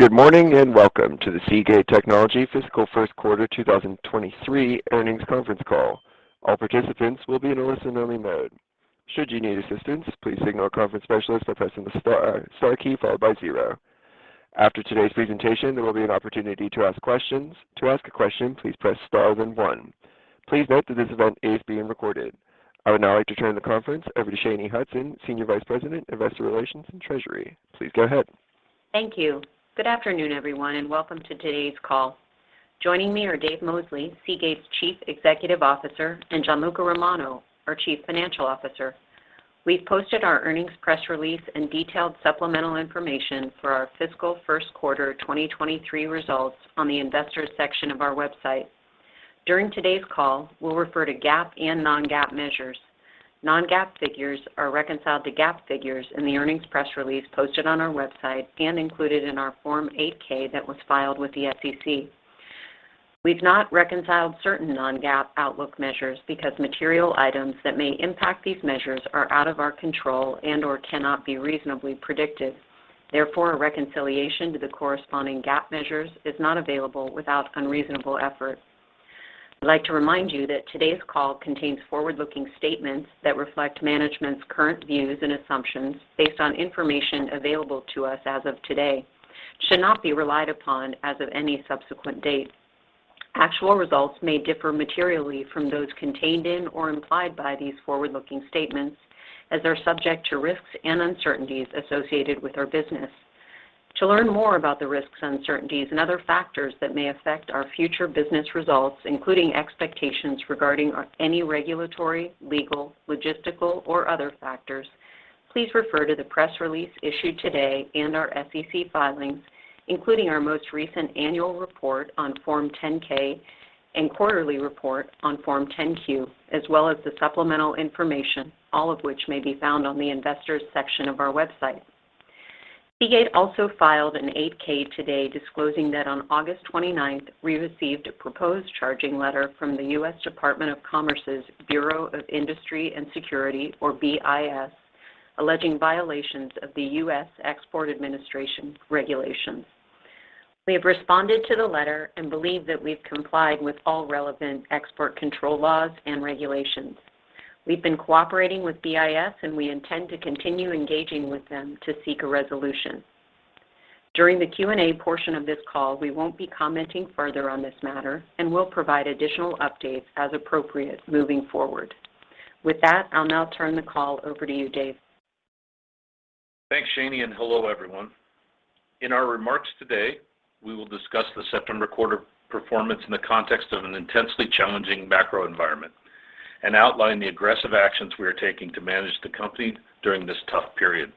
Good morning, and welcome to the Seagate Technology Fiscal First Quarter 2023 Earnings Conference Call. All participants will be in a listen-only mode. Should you need assistance, please signal a conference specialist by pressing the star key followed by zero. After today's presentation, there will be an opportunity to ask questions. To ask a question, please press star then one. Please note that this event is being recorded. I would now like to turn the conference over to Shanye Hudson, Senior Vice President, Investor Relations and Treasury. Please go ahead. Thank you. Good afternoon, everyone, and welcome to today's call. Joining me are Dave Mosley, Seagate's Chief Executive Officer, and Gianluca Romano, our Chief Financial Officer. We've posted our earnings press release and detailed supplemental information for our fiscal first quarter 2023 results on the Investors section of our website. During today's call, we'll refer to GAAP and non-GAAP measures. Non-GAAP figures are reconciled to GAAP figures in the earnings press release posted on our website and included in our Form 8-K that was filed with the SEC. We've not reconciled certain non-GAAP outlook measures because material items that may impact these measures are out of our control and/or cannot be reasonably predicted. Therefore, a reconciliation to the corresponding GAAP measures is not available without unreasonable effort. I'd like to remind you that today's call contains forward-looking statements that reflect management's current views and assumptions based on information available to us as of today. It should not be relied upon as of any subsequent date. Actual results may differ materially from those contained in or implied by these forward-looking statements as they're subject to risks and uncertainties associated with our business. To learn more about the risks and uncertainties and other factors that may affect our future business results, including expectations regarding any regulatory, legal, logistical, or other factors, please refer to the press release issued today and our SEC filings, including our most recent annual report on Form 10-K and quarterly report on Form 10-Q, as well as the supplemental information, all of which may be found on the Investors section of our website. Seagate also filed an 8-K today disclosing that on August 29, we received a proposed charging letter from the U.S. Department of Commerce's Bureau of Industry and Security, or BIS, alleging violations of the U.S. Export Administration Regulations. We have responded to the letter and believe that we've complied with all relevant export control laws and regulations. We've been cooperating with BIS, and we intend to continue engaging with them to seek a resolution. During the Q&A portion of this call, we won't be commenting further on this matter and will provide additional updates as appropriate moving forward. With that, I'll now turn the call over to you, Dave. Thanks, Shanye, and hello, everyone. In our remarks today, we will discuss the September quarter performance in the context of an intensely challenging macro environment and outline the aggressive actions we are taking to manage the company during this tough period.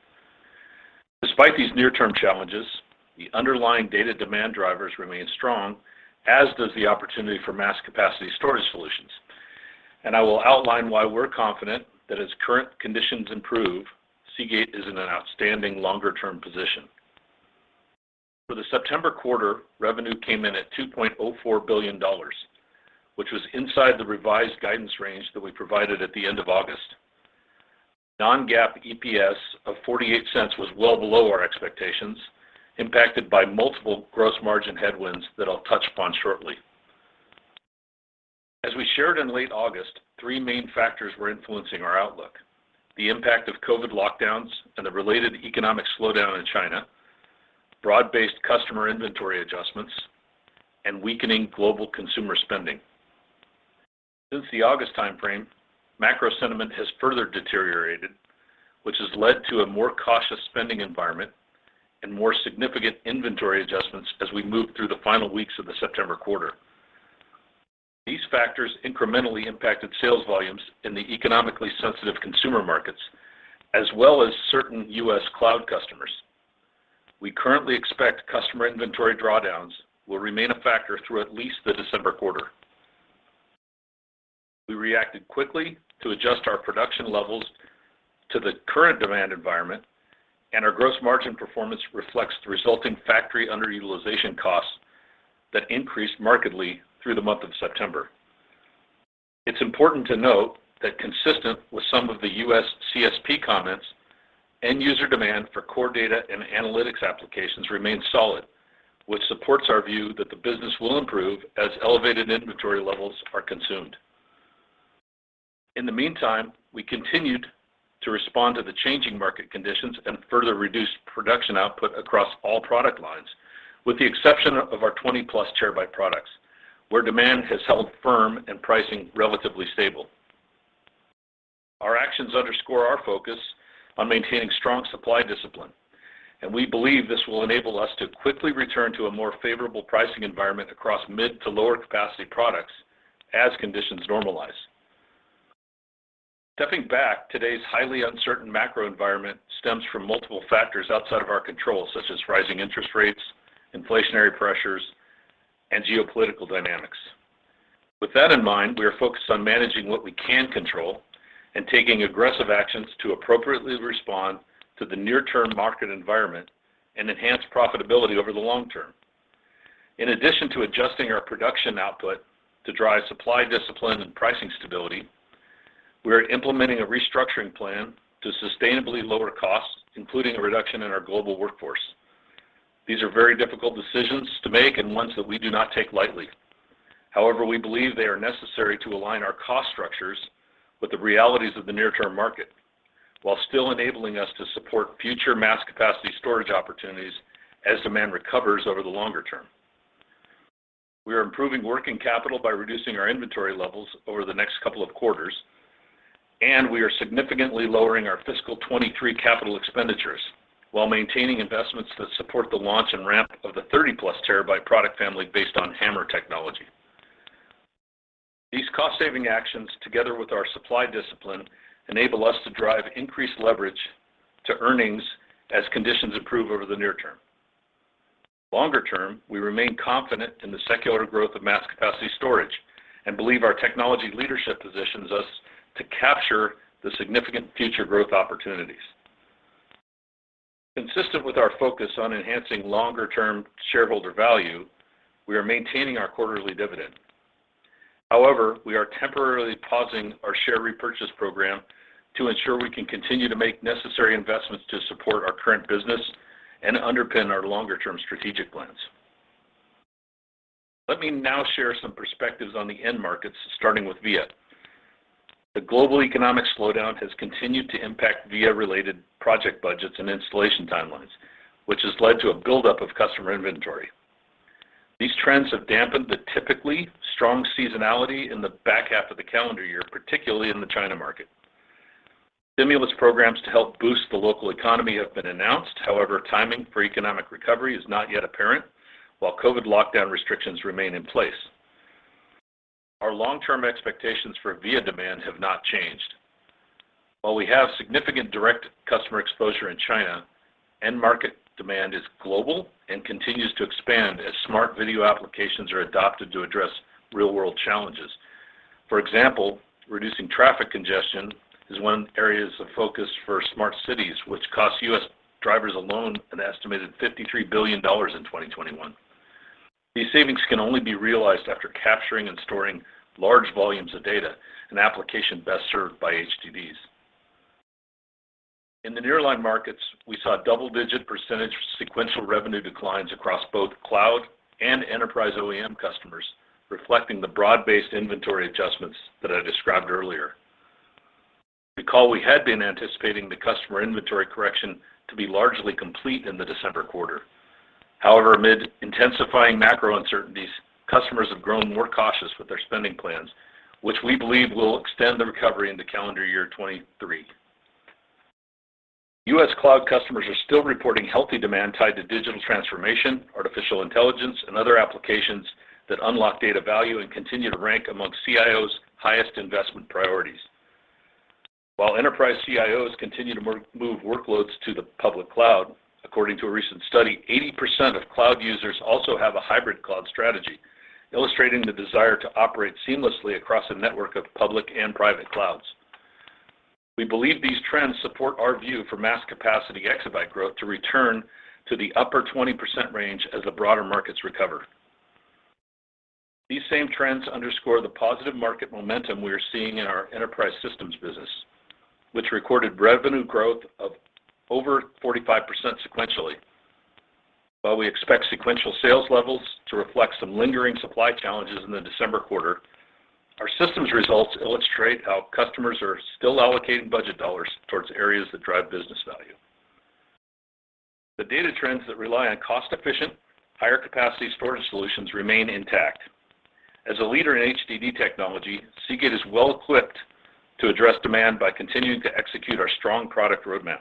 Despite these near-term challenges, the underlying data demand drivers remain strong, as does the opportunity for mass capacity storage solutions. I will outline why we're confident that as current conditions improve, Seagate is in an outstanding longer-term position. For the September quarter, revenue came in at $2.04 billion, which was inside the revised guidance range that we provided at the end of August. non-GAAP EPS of $0.48 was well below our expectations, impacted by multiple gross margin headwinds that I'll touch upon shortly. As we shared in late August, three main factors were influencing our outlook. The impact of COVID lockdowns and the related economic slowdown in China, broad-based customer inventory adjustments, and weakening global consumer spending. Since the August timeframe, macro sentiment has further deteriorated, which has led to a more cautious spending environment and more significant inventory adjustments as we moved through the final weeks of the September quarter. These factors incrementally impacted sales volumes in the economically sensitive consumer markets, as well as certain U.S. cloud customers. We currently expect customer inventory drawdowns will remain a factor through at least the December quarter. We reacted quickly to adjust our production levels to the current demand environment, and our gross margin performance reflects the resulting factory underutilization costs that increased markedly through the month of September. It's important to note that consistent with some of the U.S. CSP comments, end user demand for core data and analytics applications remains solid, which supports our view that the business will improve as elevated inventory levels are consumed. In the meantime, we continued to respond to the changing market conditions and further reduced production output across all product lines, with the exception of our 20-plus terabyte products, where demand has held firm and pricing relatively stable. Our actions underscore our focus on maintaining strong supply discipline, and we believe this will enable us to quickly return to a more favorable pricing environment across mid to lower capacity products as conditions normalize. Stepping back, today's highly uncertain macro environment stems from multiple factors outside of our control, such as rising interest rates, inflationary pressures, and geopolitical dynamics. With that in mind, we are focused on managing what we can control and taking aggressive actions to appropriately respond to the near-term market environment and enhance profitability over the long term. In addition to adjusting our production output to drive supply discipline and pricing stability, we are implementing a restructuring plan to sustainably lower costs, including a reduction in our global workforce. These are very difficult decisions to make and ones that we do not take lightly. However, we believe they are necessary to align our cost structures with the realities of the near-term market, while still enabling us to support future mass capacity storage opportunities as demand recovers over the longer term. We are improving working capital by reducing our inventory levels over the next couple of quarters, and we are significantly lowering our fiscal 2023 capital expenditures while maintaining investments that support the launch and ramp of the 30+ terabyte product family based on HAMR technology. These cost-saving actions, together with our supply discipline, enable us to drive increased leverage to earnings as conditions improve over the near term. Longer term, we remain confident in the secular growth of mass capacity storage and believe our technology leadership positions us to capture the significant future growth opportunities. Consistent with our focus on enhancing longer-term shareholder value, we are maintaining our quarterly dividend. However, we are temporarily pausing our share repurchase program to ensure we can continue to make necessary investments to support our current business and underpin our longer-term strategic plans. Let me now share some perspectives on the end markets, starting with VIA. The global economic slowdown has continued to impact VIA-related project budgets and installation timelines, which has led to a buildup of customer inventory. These trends have dampened the typically strong seasonality in the back half of the calendar year, particularly in the China market. Stimulus programs to help boost the local economy have been announced. However, timing for economic recovery is not yet apparent, while COVID lockdown restrictions remain in place. Our long-term expectations for VIA demand have not changed. While we have significant direct customer exposure in China, end market demand is global and continues to expand as smart video applications are adopted to address real-world challenges. For example, reducing traffic congestion is one area of focus for smart cities, which cost U.S. drivers alone an estimated $53 billion in 2021. These savings can only be realized after capturing and storing large volumes of data, an application best served by HDDs. In the nearline markets, we saw double-digit% sequential revenue declines across both cloud and enterprise OEM customers, reflecting the broad-based inventory adjustments that I described earlier. Recall we had been anticipating the customer inventory correction to be largely complete in the December quarter. However, amid intensifying macro uncertainties, customers have grown more cautious with their spending plans, which we believe will extend the recovery into calendar year 2023. U.S. cloud customers are still reporting healthy demand tied to digital transformation, artificial intelligence, and other applications that unlock data value and continue to rank among CIOs' highest investment priorities. While enterprise CIOs continue to move workloads to the public cloud, according to a recent study, 80% of cloud users also have a hybrid cloud strategy, illustrating the desire to operate seamlessly across a network of public and private clouds. We believe these trends support our view for mass capacity exabyte growth to return to the upper 20% range as the broader markets recover. These same trends underscore the positive market momentum we are seeing in our enterprise systems business, which recorded revenue growth of over 45% sequentially. While we expect sequential sales levels to reflect some lingering supply challenges in the December quarter, our systems results illustrate how customers are still allocating budget dollars towards areas that drive business value. The data trends that rely on cost-efficient, higher capacity storage solutions remain intact. As a leader in HDD technology, Seagate is well-equipped to address demand by continuing to execute our strong product roadmap.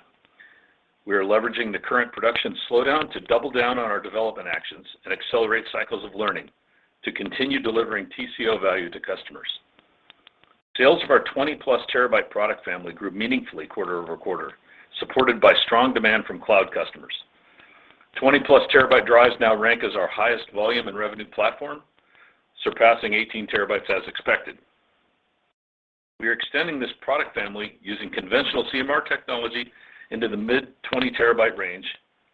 We are leveraging the current production slowdown to double down on our development actions and accelerate cycles of learning to continue delivering TCO value to customers. Sales of our 20+ terabyte product family grew meaningfully quarter over quarter, supported by strong demand from cloud customers. 20+ terabyte drives now rank as our highest volume and revenue platform, surpassing 18 terabytes as expected. We are extending this product family using conventional CMR technology into the mid-20 terabyte range,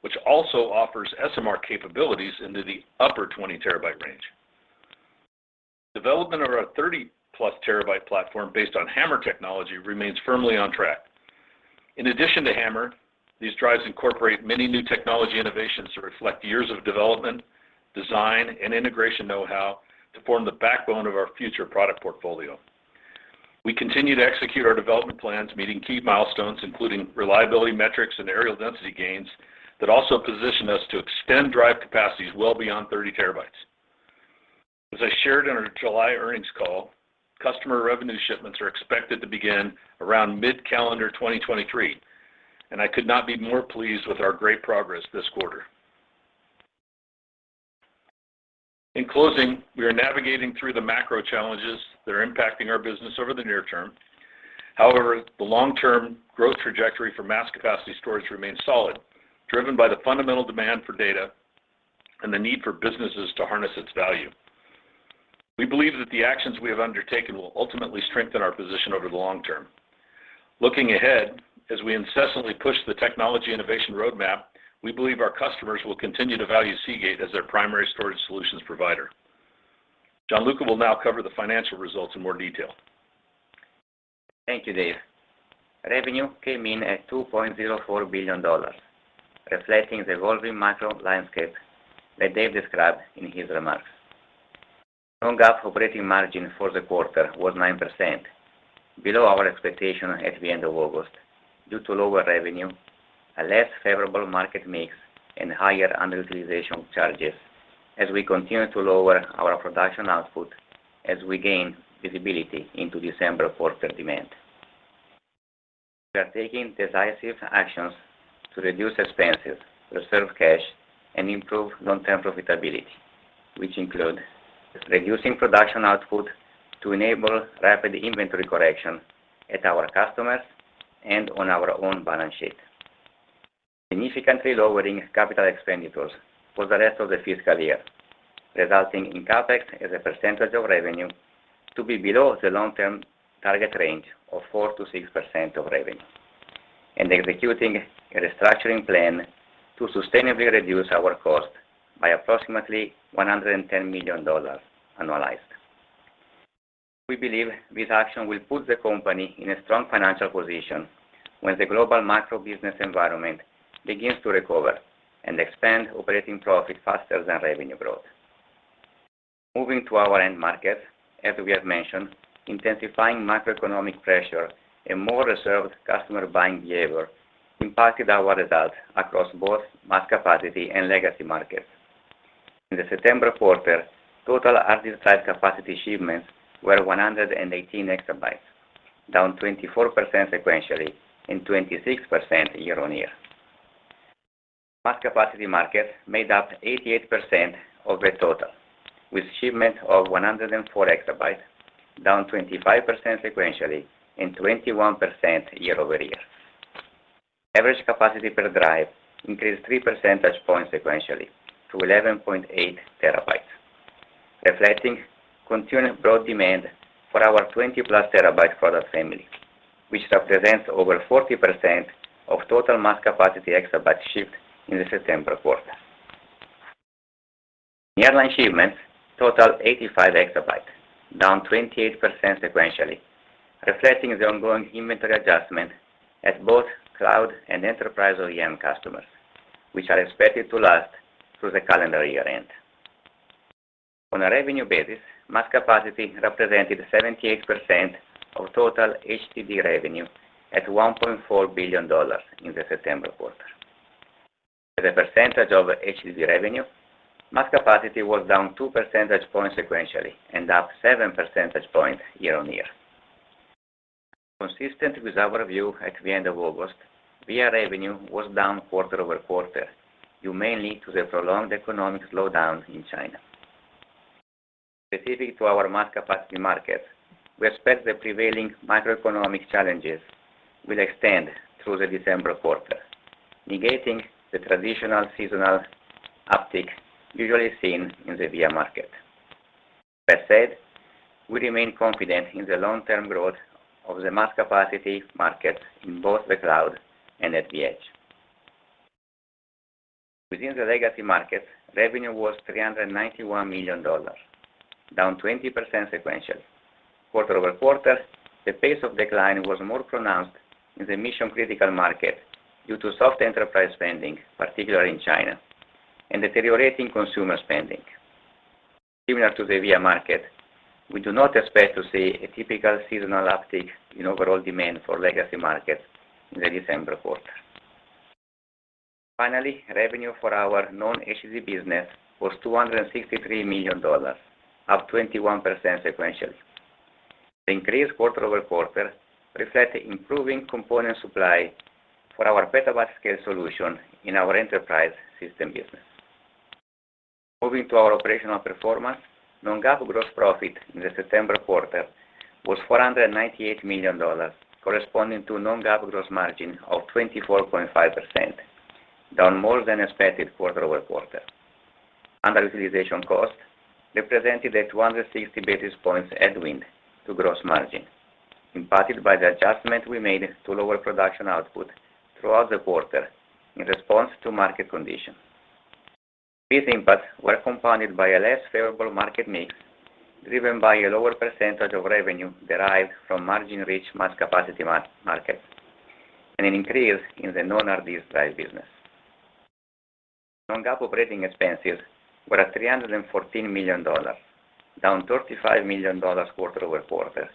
which also offers SMR capabilities into the upper-20 terabyte range. Development of our 30+ terabyte platform based on HAMR technology remains firmly on track. In addition to HAMR, these drives incorporate many new technology innovations that reflect years of development, design, and integration know-how to form the backbone of our future product portfolio. We continue to execute our development plans, meeting key milestones, including reliability metrics and areal density gains that also position us to extend drive capacities well beyond 30 TB. As I shared in our July earnings call, customer revenue shipments are expected to begin around mid-calendar 2023, and I could not be more pleased with our great progress this quarter. In closing, we are navigating through the macro challenges that are impacting our business over the near term. However, the long-term growth trajectory for mass capacity storage remains solid, driven by the fundamental demand for data and the need for businesses to harness its value. We believe that the actions we have undertaken will ultimately strengthen our position over the long term. Looking ahead, as we incessantly push the technology innovation roadmap, we believe our customers will continue to value Seagate as their primary storage solutions provider. Gianluca will now cover the financial results in more detail. Thank you, Dave. Revenue came in at $2.04 billion, reflecting the evolving macro landscape that Dave described in his remarks. Non-GAAP operating margin for the quarter was 9%, below our expectation at the end of August due to lower revenue, a less favorable market mix, and higher underutilization charges as we continue to lower our production output as we gain visibility into December quarter demand. We are taking decisive actions to reduce expenses, preserve cash, and improve long-term profitability, which include reducing production output to enable rapid inventory correction at our customers and on our own balance sheet. Significantly lowering capital expenditures for the rest of the fiscal year, resulting in CapEx as a percentage of revenue to be below the long-term target range of 4%-6% of revenue. Executing a restructuring plan to sustainably reduce our cost by approximately $110 million annualized. We believe this action will put the company in a strong financial position when the global macro business environment begins to recover and expand operating profit faster than revenue growth. Moving to our end market, as we have mentioned, intensifying macroeconomic pressure and more reserved customer buying behavior impacted our results across both mass capacity and legacy markets. In the September quarter, total HDD exabyte capacity shipments were 118 exabytes, down 24% sequentially and 26% year-over-year. Mass capacity market made up 88% of the total, with shipment of 104 exabytes, down 25% sequentially and 21% year-over-year. Average capacity per drive increased 3 percentage points sequentially to 11.8 TB, reflecting continued broad demand for our 20+ TB product family, which represents over 40% of total mass capacity EB shipped in the September quarter. Year-end shipments totaled 85 EB, down 28% sequentially, reflecting the ongoing inventory adjustment at both cloud and enterprise OEM customers, which are expected to last through the calendar year end. On a revenue basis, mass capacity represented 78% of total HDD revenue at $1.4 billion in the September quarter. As a percentage of HDD revenue, mass capacity was down 2 percentage points sequentially and up 7 percentage points year-on-year. Consistent with our view at the end of August, VIA revenue was down quarter-over-quarter, mainly due to the prolonged economic slowdown in China. Specific to our mass capacity market, we expect the prevailing macroeconomic challenges will extend through the December quarter, negating the traditional seasonal uptick usually seen in the VIA market. That said, we remain confident in the long-term growth of the mass capacity market in both the cloud and at the edge. Within the legacy market, revenue was $391 million, down 20% sequentially. Quarter-over-quarter, the pace of decline was more pronounced in the mission-critical market due to soft enterprise spending, particularly in China, and deteriorating consumer spending. Similar to the VIA market, we do not expect to see a typical seasonal uptick in overall demand for legacy markets in the December quarter. Finally, revenue for our non-HD business was $263 million, up 21% sequentially. The increase quarter-over-quarter reflect improving component supply for our petabyte scale solution in our enterprise system business. Moving to our operational performance, non-GAAP gross profit in the September quarter was $498 million, corresponding to non-GAAP gross margin of 24.5%, down more than expected quarter-over-quarter. Underutilization cost represented a 260 basis points headwind to gross margin, impacted by the adjustment we made to lower production output throughout the quarter in response to market conditions. These impacts were compounded by a less favorable market mix, driven by a lower percentage of revenue derived from margin-rich mass capacity market and an increase in the non-HDD drive business. Non-GAAP operating expenses were at $314 million, down $35 million quarter-over-quarter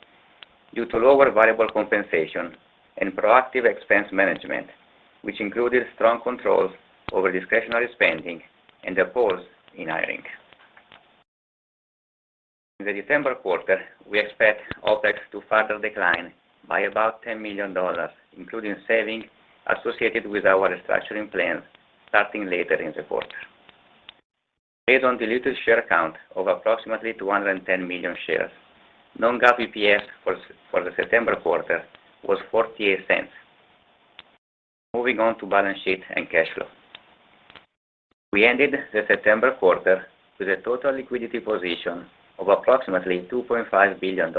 due to lower variable compensation and proactive expense management, which included strong controls over discretionary spending and a pause in hiring. In the December quarter, we expect OpEx to further decline by about $10 million, including savings associated with our restructuring plan starting later in the quarter. Based on diluted share count of approximately 210 million shares, non-GAAP EPS for the September quarter was $0.48. Moving on to balance sheet and cash flow. We ended the September quarter with a total liquidity position of approximately $2.5 billion,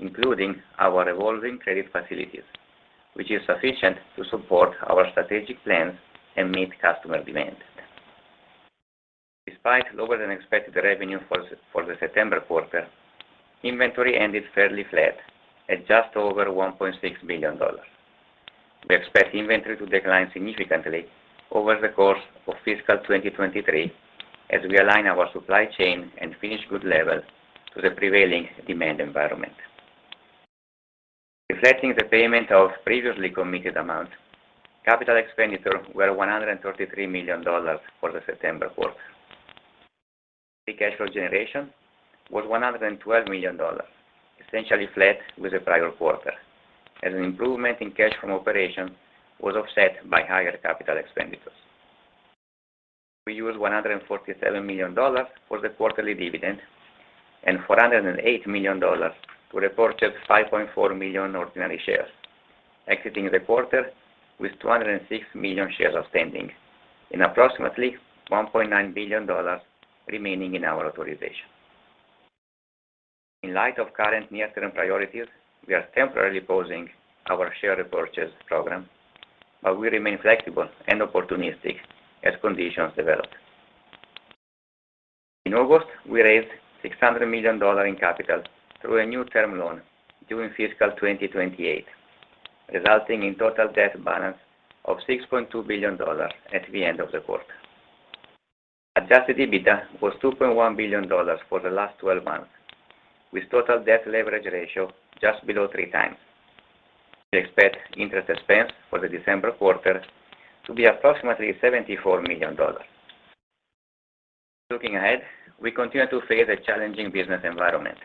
including our revolving credit facilities, which is sufficient to support our strategic plans and meet customer demand. Despite lower than expected revenue for the September quarter, inventory ended fairly flat at just over $1.6 billion. We expect inventory to decline significantly over the course of fiscal 2023 as we align our supply chain and finished good level to the prevailing demand environment. Reflecting the payment of previously committed amounts, capital expenditure were $133 million for the September quarter. Free cash flow generation was $112 million, essentially flat with the prior quarter. As an improvement in cash from operation was offset by higher capital expenditures. We used $147 million for the quarterly dividend and $408 million to repurchase 5.4 million ordinary shares, exiting the quarter with 206 million shares outstanding and approximately $1.9 billion remaining in our authorization. In light of current near-term priorities, we are temporarily pausing our share repurchase program, but we remain flexible and opportunistic as conditions develop. In August, we raised $600 million in capital through a new term loan during fiscal 2028, resulting in total debt balance of $6.2 billion at the end of the quarter. Adjusted EBITDA was $2.1 billion for the last twelve months, with total debt leverage ratio just below 3x. We expect interest expense for the December quarter to be approximately $74 million. Looking ahead, we continue to face a challenging business environment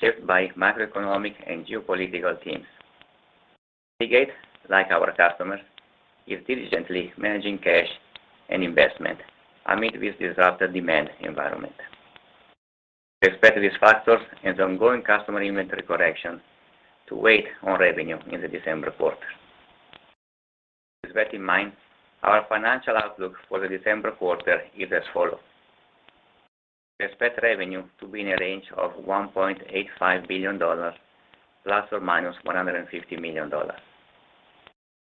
shaped by macroeconomic and geopolitical themes. Seagate, like our customers, is diligently managing cash and investment amid this disrupted demand environment. We expect these factors and the ongoing customer inventory correction to weigh on revenue in the December quarter. With that in mind, our financial outlook for the December quarter is as follow. We expect revenue to be in a range of $1.85 billion ±$150 million.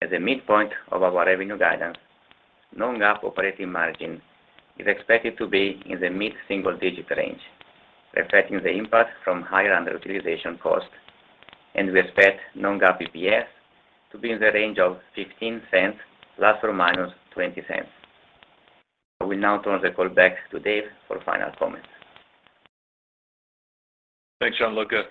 At the midpoint of our revenue guidance, non-GAAP operating margin is expected to be in the mid-single digit range, reflecting the impact from higher underutilization cost. We expect non-GAAP EPS to be in the range of $0.15 ±$0.20. I will now turn the call back to Dave for final comments. Thanks, Gianluca.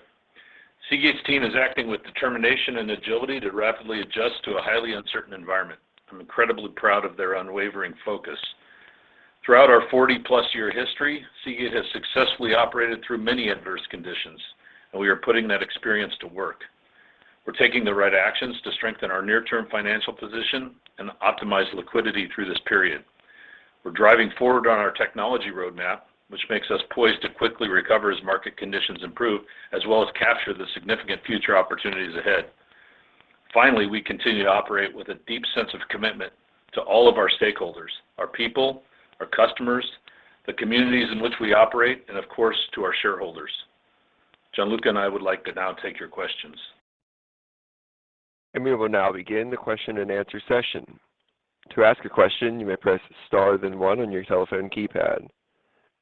Seagate's team is acting with determination and agility to rapidly adjust to a highly uncertain environment. I'm incredibly proud of their unwavering focus. Throughout our 40-plus-year history, Seagate has successfully operated through many adverse conditions, and we are putting that experience to work. We're taking the right actions to strengthen our near-term financial position and optimize liquidity through this period. We're driving forward on our technology roadmap, which makes us poised to quickly recover as market conditions improve, as well as capture the significant future opportunities ahead. Finally, we continue to operate with a deep sense of commitment to all of our stakeholders, our people, our customers, the communities in which we operate, and of course, to our shareholders. Gianluca and I would like to now take your questions. We will now begin the question-and-answer session. To ask a question, you may press star then one on your telephone keypad.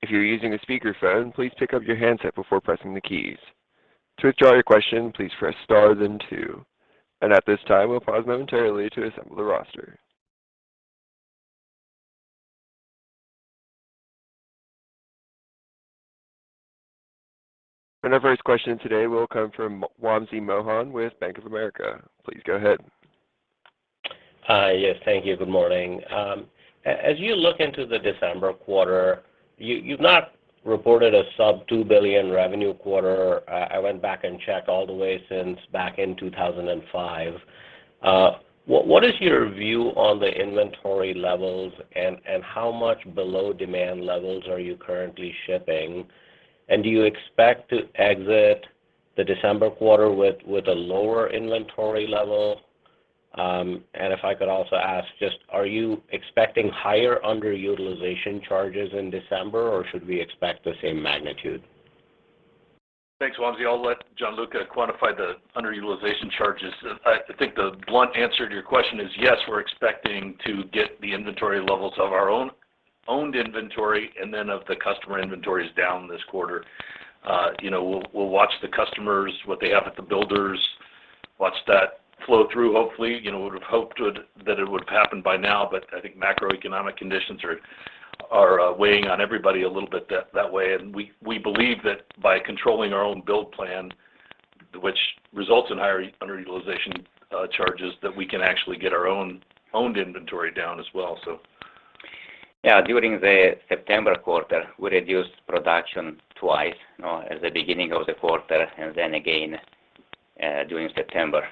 If you're using a speakerphone, please pick up your handset before pressing the keys. To withdraw your question, please press star then two. At this time, we'll pause momentarily to assemble the roster. Our first question today will come from Wamsi Mohan with Bank of America. Please go ahead. Hi. Yes, thank you. Good morning. As you look into the December quarter, you've not reported a sub-$2 billion revenue quarter. I went back and checked all the way since back in 2005. What is your view on the inventory levels and how much below demand levels are you currently shipping? Do you expect to exit the December quarter with a lower inventory level? If I could also ask, just are you expecting higher underutilization charges in December, or should we expect the same magnitude? Thanks, Wamsi. I'll let Gianluca quantify the underutilization charges. I think the blunt answer to your question is yes, we're expecting to get the inventory levels of our own inventory and then of the customer inventories down this quarter. You know, we'll watch the customers, what they have at the builders, watch that flow through, hopefully. You know, would've hoped it would have happened by now, but I think macroeconomic conditions are weighing on everybody a little bit that way. We believe that by controlling our own build plan, which results in higher underutilization charges, that we can actually get our own inventory down as well, so. Yeah. During the September quarter, we reduced production twice, you know, at the beginning of the quarter and then again during September.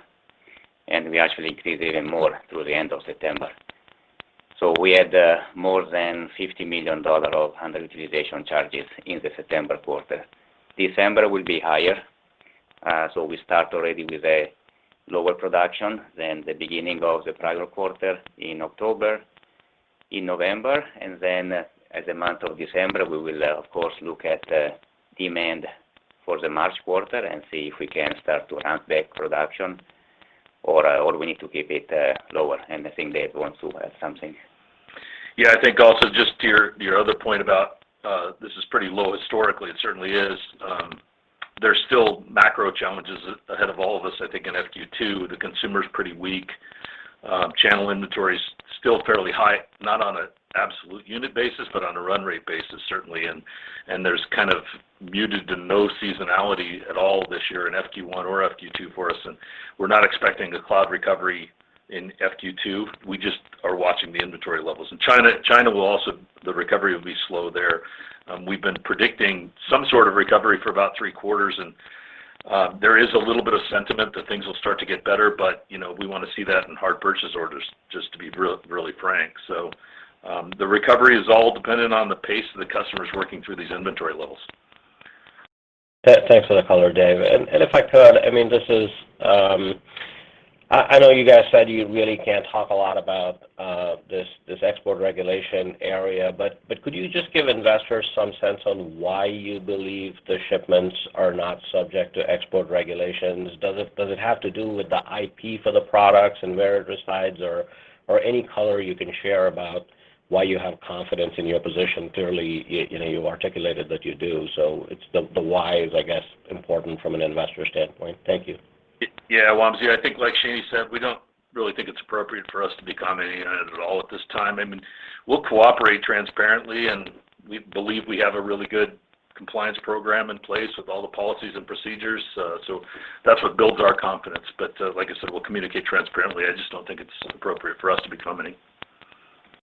We actually increased even more through the end of September. We had more than $50 million of underutilization charges in the September quarter. December will be higher, so we start already with a lower production than the beginning of the prior quarter in October, in November, and then in the month of December, we will, of course, look at demand for the March quarter and see if we can start to ramp back production or we need to keep it lower. I think Dave wants to add something. Yeah. I think also just to your other point about this is pretty low historically, it certainly is. There's still macro challenges ahead of all of us, I think in FQ two. The consumer is pretty weak. Channel inventory is still fairly high, not on an absolute unit basis, but on a run rate basis, certainly. There's kind of muted to no seasonality at all this year in FQ one or FQ two for us, and we're not expecting a cloud recovery in FQ two. We just are watching the inventory levels. In China, the recovery will be slow there. We've been predicting some sort of recovery for about three quarters, and there is a little bit of sentiment that things will start to get better, but, you know, we want to see that in hard purchase orders, just to be really frank. The recovery is all dependent on the pace of the customers working through these inventory levels. Thanks for the color, Dave. If I could, I mean, I know you guys said you really can't talk a lot about this export regulation area, but could you just give investors some sense on why you believe the shipments are not subject to export regulations? Does it have to do with the IP for the products and where it resides or any color you can share about why you have confidence in your position? Clearly, you know, you articulated that you do, so it's the why is, I guess, important from an investor standpoint. Thank you. Yeah, Wamsi. I think like Shanye said, we don't really think it's appropriate for us to be commenting on it at all at this time. I mean, we'll cooperate transparently, and we believe we have a really good compliance program in place with all the policies and procedures, so that's what builds our confidence. But, like I said, we'll communicate transparently. I just don't think it's appropriate for us to be commenting.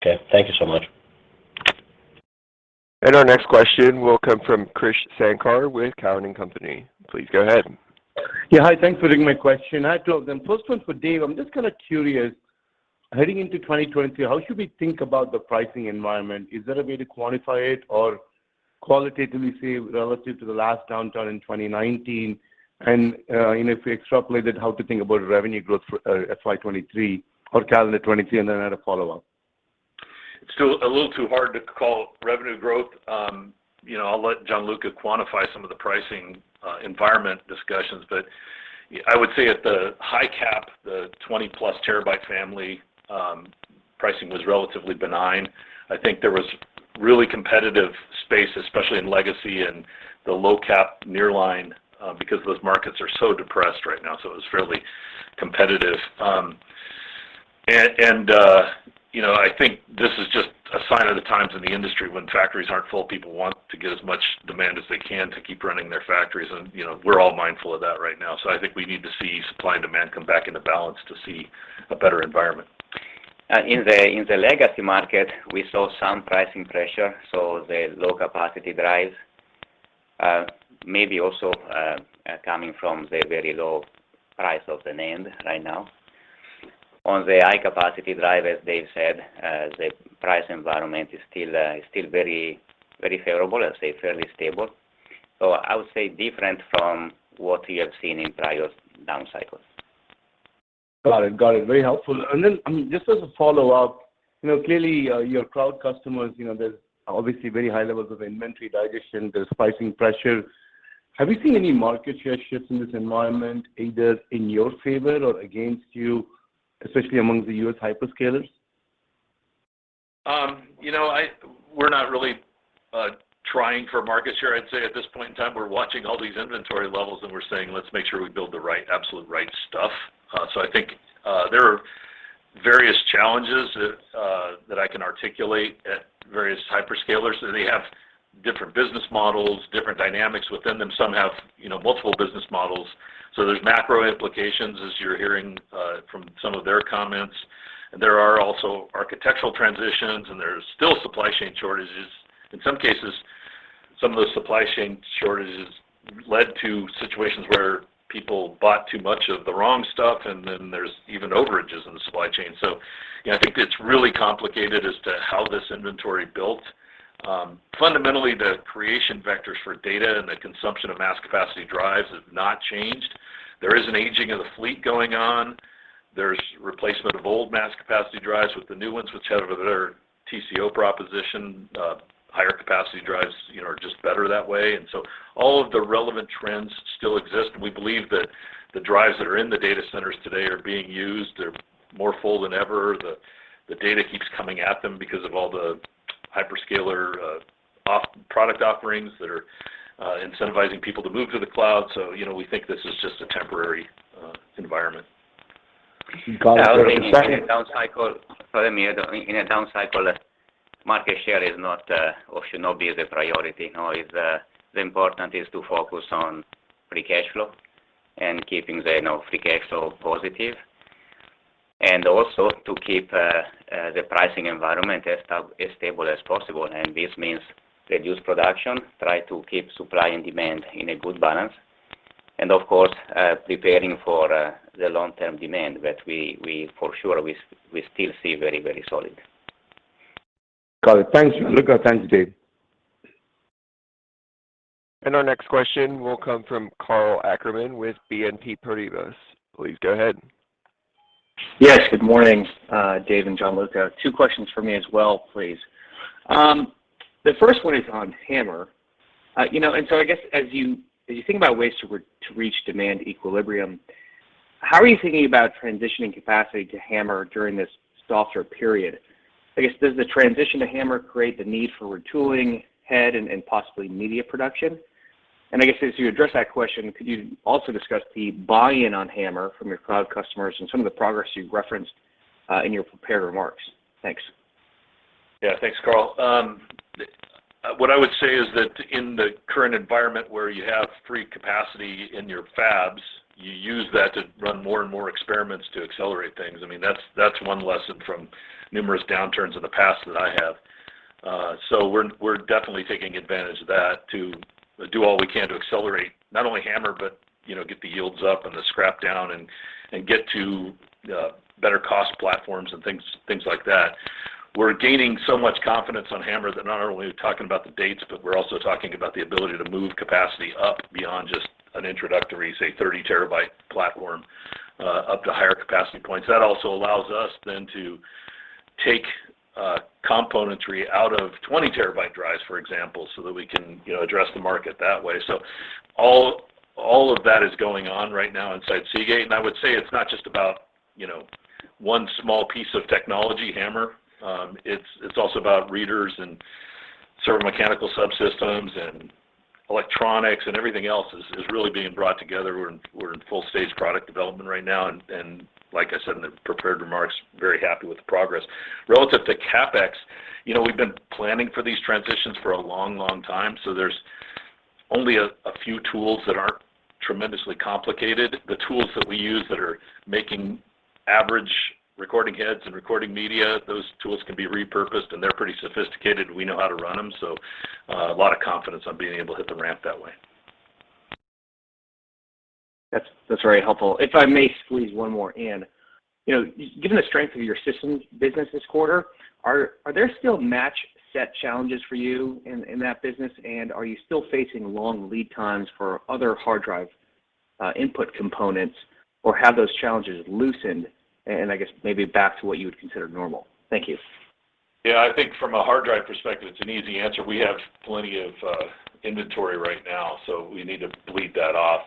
Okay. Thank you so much. Our next question will come from Krish Sankar with Cowen and Company. Please go ahead. Yeah, hi. Thanks for taking my question. I have two of them. First one for Dave. I'm just kind of curious, heading into 2020, how should we think about the pricing environment? Is there a way to quantify it or qualitatively say relative to the last downturn in 2019? You know, if we extrapolated how to think about revenue growth for FY 2023 or calendar 2023, and then I had a follow-up. It's still a little too hard to call revenue growth. You know, I'll let Gianluca quantify some of the pricing environment discussions. I would say at the high cap, the 20-plus terabyte family, pricing was relatively benign. I think there was really competitive space, especially in legacy and the low cap nearline, because those markets are so depressed right now, so it was fairly competitive. You know, I think this is just a sign of the times in the industry. When factories aren't full, people want to get as much demand as they can to keep running their factories. You know, we're all mindful of that right now. I think we need to see supply and demand come back into balance to see a better environment. In the legacy market, we saw some pricing pressure, so the low capacity drives, maybe also coming from the very low price of the NAND right now. On the high capacity drive, as Dave said, the price environment is still very, very favorable. I'd say fairly stable. I would say different from what we have seen in prior down cycles. Got it. Very helpful. I mean, just as a follow-up, you know, clearly, your cloud customers, you know, there's obviously very high levels of inventory digestion. There's pricing pressure. Have you seen any market share shifts in this environment, either in your favor or against you, especially among the U.S. Hyperscalers? You know, we're not really trying for market share, I'd say, at this point in time. We're watching all these inventory levels, and we're saying, "Let's make sure we build the right, absolute right stuff." I think there are various challenges that I can articulate at various Hyperscalers. They have different business models, different dynamics within them. Some have, you know, multiple business models. There's macro implications, as you're hearing, from some of their comments. There are also architectural transitions, and there's still supply chain shortages. In some cases, some of those supply chain shortages led to situations where people bought too much of the wrong stuff, and then there's even overages in the supply chain. You know, I think it's really complicated as to how this inventory built. Fundamentally, the creation vectors for data and the consumption of mass capacity drives have not changed. There is an aging of the fleet going on. There's replacement of old mass capacity drives with the new ones, which have a better TCO proposition. Higher capacity drives, you know, are just better that way. And so all of the relevant trends still exist, and we believe that the drives that are in the data centers today are being used. They're more full than ever. The data keeps coming at them because of all the Hyperscaler off-product offerings that are incentivizing people to move to the cloud. You know, we think this is just a temporary environment. Got it. I would say in a down cycle. Pardon me. In a down cycle, market share is not or should not be the priority. No. It's the important is to focus on free cash flow and keeping the, you know, free cash flow positive, and also to keep the pricing environment as stable as possible, and this means reduce production, try to keep supply and demand in a good balance. Of course, preparing for the long-term demand that we for sure still see very, very solid. Got it. Thanks. Gianluca, thanks Dave. Our next question will come from Karl Ackerman with BNP Paribas. Please go ahead. Yes. Good morning, Dave and Gianluca. Two questions for me as well, please. The first one is on HAMR. You know, I guess as you think about ways to reach demand equilibrium, how are you thinking about transitioning capacity to HAMR during this softer period? I guess, does the transition to HAMR create the need for retooling head and possibly media production? I guess as you address that question, could you also discuss the buy-in on HAMR from your cloud customers and some of the progress you've referenced in your prepared remarks? Thanks. Yeah. Thanks, Karl. What I would say is that in the current environment where you have free capacity in your fabs, you use that to run more and more experiments to accelerate things. I mean, that's one lesson from numerous downturns in the past that I have. We're definitely taking advantage of that to do all we can to accelerate not only HAMR, but, you know, get the yields up and the scrap down and get to better cost platforms and things like that. We're gaining so much confidence on HAMR that not only are we talking about the dates, but we're also talking about the ability to move capacity up beyond just an introductory, say, 30 TB platform, up to higher capacity points. That also allows us then to take componentry out of 20-terabyte drives, for example, so that we can, you know, address the market that way. All of that is going on right now inside Seagate, and I would say it's not just about, you know, one small piece of technology, HAMR. It's also about readers and certain mechanical subsystems and electronics and everything else is really being brought together. We're in full stage product development right now, and like I said in the prepared remarks, very happy with the progress. Relative to CapEx, you know, we've been planning for these transitions for a long, long time, so there's only a few tools that aren't tremendously complicated. The tools that we use that are making air-bearing recording heads and recording media, those tools can be repurposed, and they're pretty sophisticated. We know how to run them, so, a lot of confidence on being able to hit the ramp that way. That's very helpful. If I may squeeze one more in. You know, given the strength of your systems business this quarter, are there still matched set challenges for you in that business? Are you still facing long lead times for other hard drive input components, or have those challenges loosened and I guess maybe back to what you would consider normal? Thank you. Yeah. I think from a hard drive perspective, it's an easy answer. We have plenty of inventory right now, so we need to bleed that off.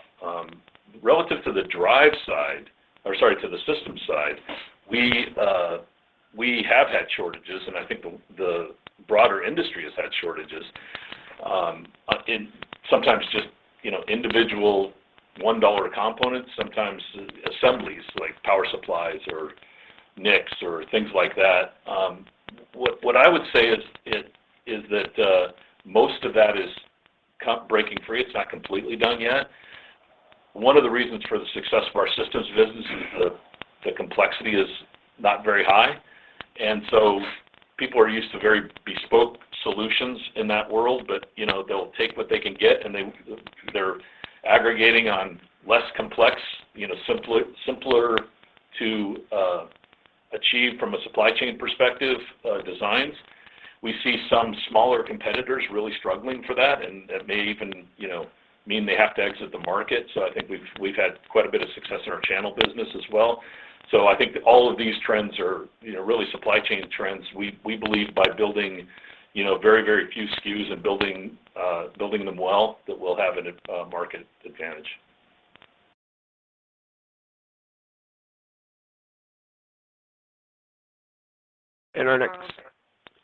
Relative to the drive side—or sorry, to the system side, we have had shortages, and I think the broader industry has had shortages in sometimes just, you know, individual $1 components, sometimes assemblies like power supplies or NICs or things like that. What I would say is that most of that is breaking free. It's not completely done yet. One of the reasons for the success of our systems business is the complexity is not very high. People are used to very bespoke solutions in that world, but, you know, they'll take what they can get, and they're aggregating on less complex, you know, simpler to achieve from a supply chain perspective, designs. We see some smaller competitors really struggling for that, and that may even, you know, mean they have to exit the market. I think we've had quite a bit of success in our channel business as well. I think all of these trends are, you know, really supply chain trends. We believe by building, you know, very, very few SKUs and building them well, that we'll have a market advantage.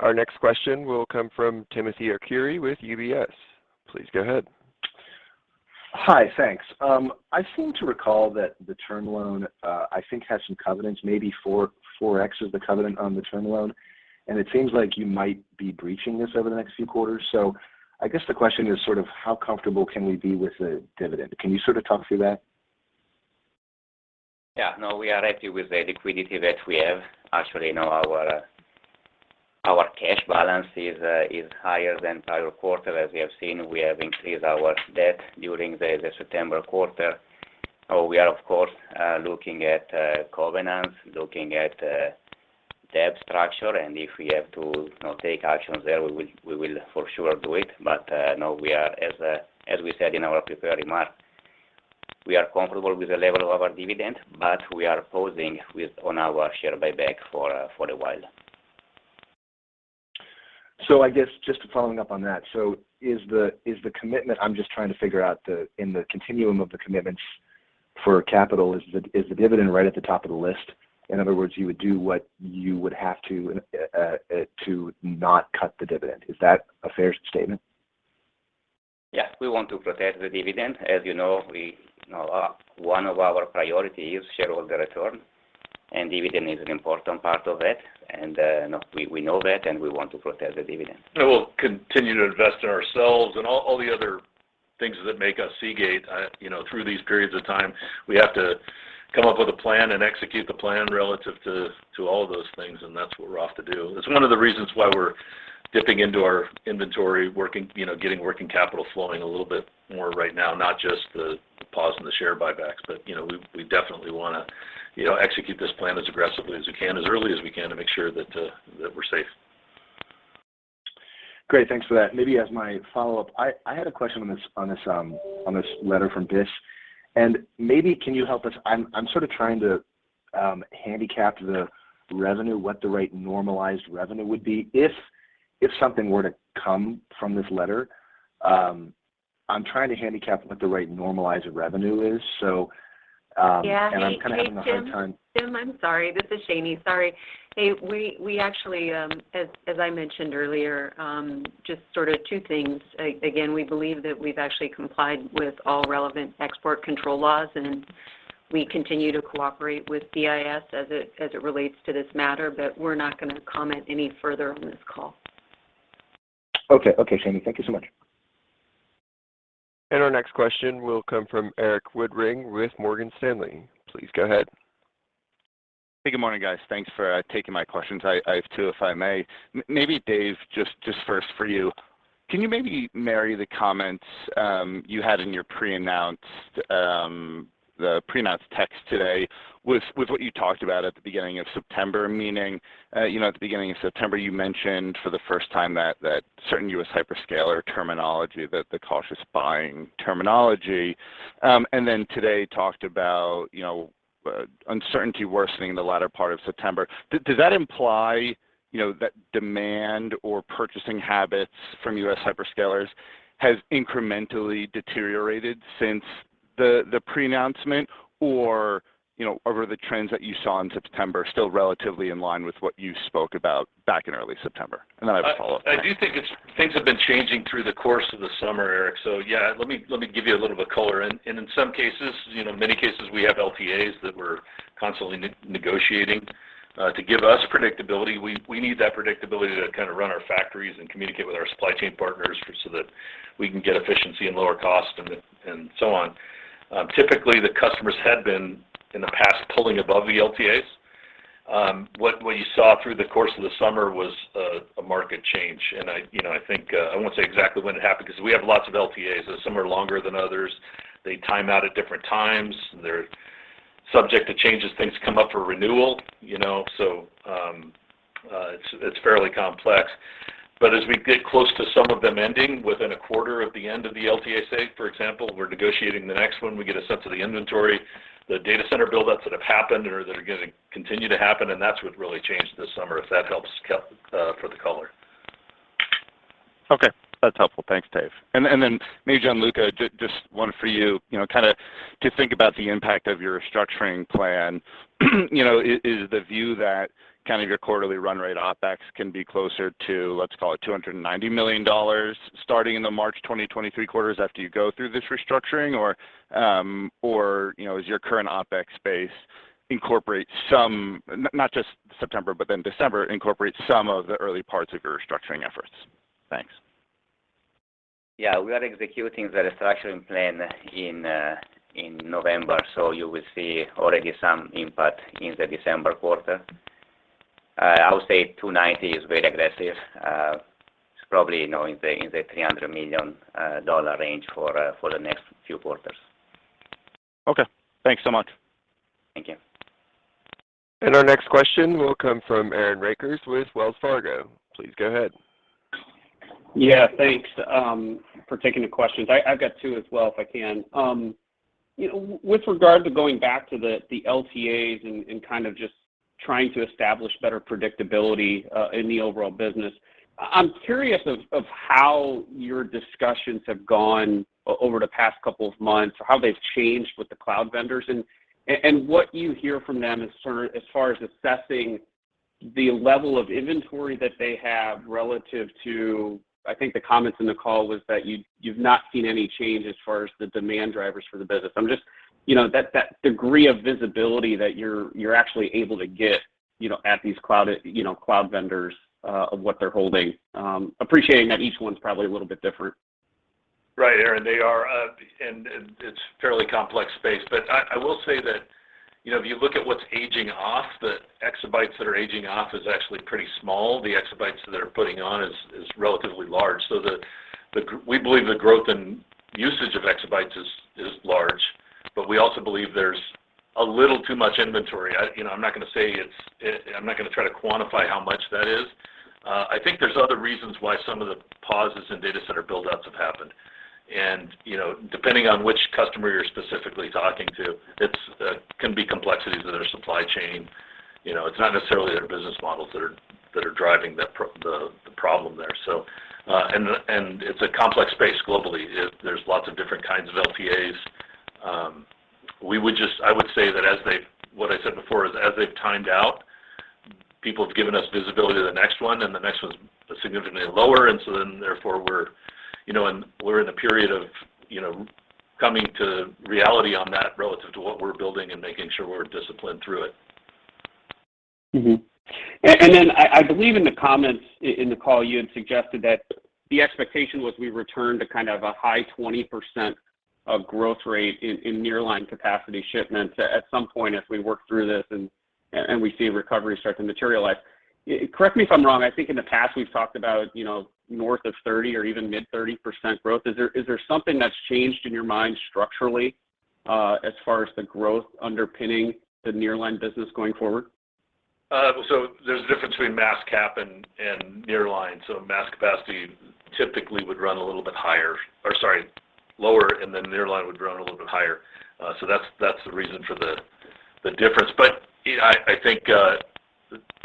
Our next question will come from Timothy Arcuri with UBS. Please go ahead. Hi. Thanks. I seem to recall that the term loan I think has some covenants, maybe 4x is the covenant on the term loan, and it seems like you might be breaching this over the next few quarters. I guess the question is sort of how comfortable can we be with the dividend? Can you sort of talk through that? Yeah. No, we are happy with the liquidity that we have. Actually, now our cash balance is higher than prior quarter. As you have seen, we have increased our debt during the September quarter. We are of course looking at covenants, looking at debt structure, and if we have to, you know, take actions there, we will for sure do it. No, we are as we said in our prepared remark, we are comfortable with the level of our dividend, but we are pausing on our share buyback for a while. I guess just following up on that. Is the commitment I'm just trying to figure out in the continuum of the commitments for capital, is the dividend right at the top of the list? In other words, you would do what you would have to to not cut the dividend. Is that a fair statement? Yes. We want to protect the dividend. As you know, you know, one of our priority is shareholder return, and dividend is an important part of that. No, we know that, and we want to protect the dividend. We'll continue to invest in ourselves and all the other things that make us Seagate. You know, through these periods of time, we have to come up with a plan and execute the plan relative to all of those things, and that's what we're off to do. It's one of the reasons why we're dipping into our inventory, working, you know, getting working capital flowing a little bit more right now, not just the pause and the share buybacks. You know, we definitely wanna, you know, execute this plan as aggressively as we can, as early as we can, to make sure that that we're safe. Great. Thanks for that. Maybe as my follow-up, I had a question on this letter from BIS. Maybe can you help us. I'm sort of trying to handicap the revenue, what the right normalized revenue would be. If something were to come from this letter, I'm trying to handicap what the right normalized revenue is. I'm kinda having a hard time. Yeah. Hey, Tim. I'm sorry. This is Shanye. Sorry. Hey, we actually, as I mentioned earlier, just sort of two things. Again, we believe that we've actually complied with all relevant export control laws, and we continue to cooperate with BIS as it relates to this matter, but we're not gonna comment any further on this call. Okay, Shanye. Thank you so much. Our next question will come from Erik Woodring with Morgan Stanley. Please go ahead. Hey, good morning, guys. Thanks for taking my questions. I have two, if I may. Maybe Dave, just first for you, can you maybe marry the comments you had in your pre-announced, the pre-announced text today with what you talked about at the beginning of September, meaning, you know, at the beginning of September, you mentioned for the first time that certain U.S. Hyperscaler terminology, the cautious buying terminology, and then today talked about, you know, uncertainty worsening in the latter part of September. Does that imply, you know, that demand or purchasing habits from U.S. Hyperscalers has incrementally deteriorated since the pre-announcement? Or, you know, are the trends that you saw in September still relatively in line with what you spoke about back in early September? And then I have a follow-up for you. I do think things have been changing through the course of the summer, Erik. Yeah, let me give you a little bit color. In some cases, you know, many cases, we have LTAs that we're constantly negotiating to give us predictability. We need that predictability to kind of run our factories and communicate with our supply chain partners so that we can get efficiency and lower cost and so on. Typically, the customers had been in the past pulling above the LTAs. What you saw through the course of the summer was a market change. You know, I think I won't say exactly when it happened because we have lots of LTAs, and some are longer than others. They time out at different times. They're subject to change as things come up for renewal, you know? It's fairly complex. As we get close to some of them ending within a quarter of the end of the LTA, say for example, we're negotiating the next one, we get a sense of the inventory, the data center build outs that have happened or that are gonna continue to happen, and that's what really changed this summer, if that helps for the color. Okay. That's helpful. Thanks, Dave. Then maybe Gianluca, just one for you. You know, kind of to think about the impact of your restructuring plan, you know, is the view that kind of your quarterly run rate OpEx can be closer to, let's call it $290 million starting in the March 2023 quarters after you go through this restructuring or, you know, as your current OpEx base incorporates some, not just September, but then December incorporates some of the early parts of your restructuring efforts? Thanks. Yeah. We are executing the restructuring plan in November, so you will see already some impact in the December quarter. I would say $290 million is very aggressive. It's probably, you know, in the $300 million range for the next few quarters. Okay. Thanks so much. Thank you. Our next question will come from Aaron Rakers with Wells Fargo. Please go ahead. Yeah. Thanks for taking the questions. I've got two as well, if I can. You know, with regard to going back to the LTAs and kind of just trying to establish better predictability in the overall business, I'm curious of how your discussions have gone over the past couple of months or how they've changed with the cloud vendors and what you hear from them as sort of, as far as assessing the level of inventory that they have relative to I think the comments in the call was that you've not seen any change as far as the demand drivers for the business. I'm just. You know, that degree of visibility that you're actually able to get, you know, at these cloud, you know, cloud vendors, of what they're holding, appreciating that each one's probably a little bit different. Right, Aaron, they are. It is a fairly complex space. I will say that, you know, if you look at what is aging off, the exabytes that are aging off is actually pretty small. The exabytes that are putting on is relatively large. We believe the growth and usage of exabytes is large, but we also believe there is a little too much inventory. You know, I am not gonna say it is. I am not gonna try to quantify how much that is. I think there are other reasons why some of the pauses in data center build outs have happened. You know, depending on which customer you are specifically talking to, it can be complexities of their supply chain. You know, it is not necessarily their business models that are driving the problem there. It's a complex space globally. There's lots of different kinds of LTAs. I would say that what I said before is as they've timed out, people have given us visibility to the next one, and the next one's significantly lower, and so then therefore we're, you know, in a period of, you know, coming to reality on that relative to what we're building and making sure we're disciplined through it. I believe in the comments in the call, you had suggested that the expectation was we return to kind of a high 20% growth rate in nearline capacity shipments at some point as we work through this. We see recovery start to materialize. Correct me if I'm wrong, I think in the past we've talked about, you know, north of 30 or even mid-30% growth. Is there something that's changed in your mind structurally, as far as the growth underpinning the nearline business going forward? There's a difference between mass capacity and nearline. Mass capacity typically would run a little bit lower, and then nearline would run a little bit higher. That's the reason for the difference. I think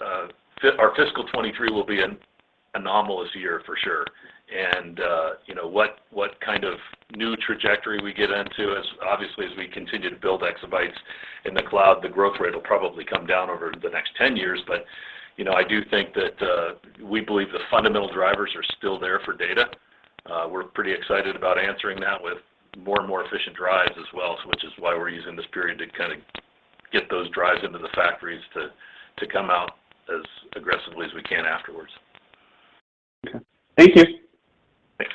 our fiscal 2023 will be an anomalous year for sure. You know, what kind of new trajectory we get into as obviously, as we continue to build exabytes in the cloud, the growth rate will probably come down over the next 10 years. You know, I do think that we believe the fundamental drivers are still there for data. We're pretty excited about answering that with more and more efficient drives as well, which is why we're using this period to kind of get those drives into the factories to come out as aggressively as we can afterwards. Okay. Thank you. Thanks.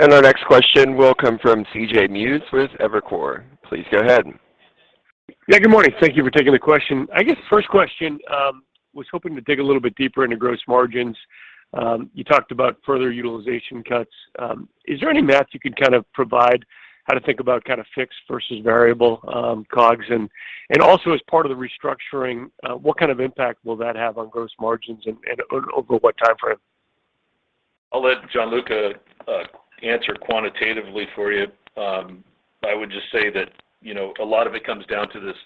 Our next question will come from C.J. Muse with Evercore. Please go ahead. Yeah, good morning. Thank you for taking the question. I guess first question, was hoping to dig a little bit deeper into gross margins. You talked about further utilization cuts. Is there any math you could kind of provide how to think about kind of fixed versus variable, COGS? And also as part of the restructuring, what kind of impact will that have on gross margins and over what time frame? I'll let Gianluca answer quantitatively for you. I would just say that, you know, a lot of it comes down to this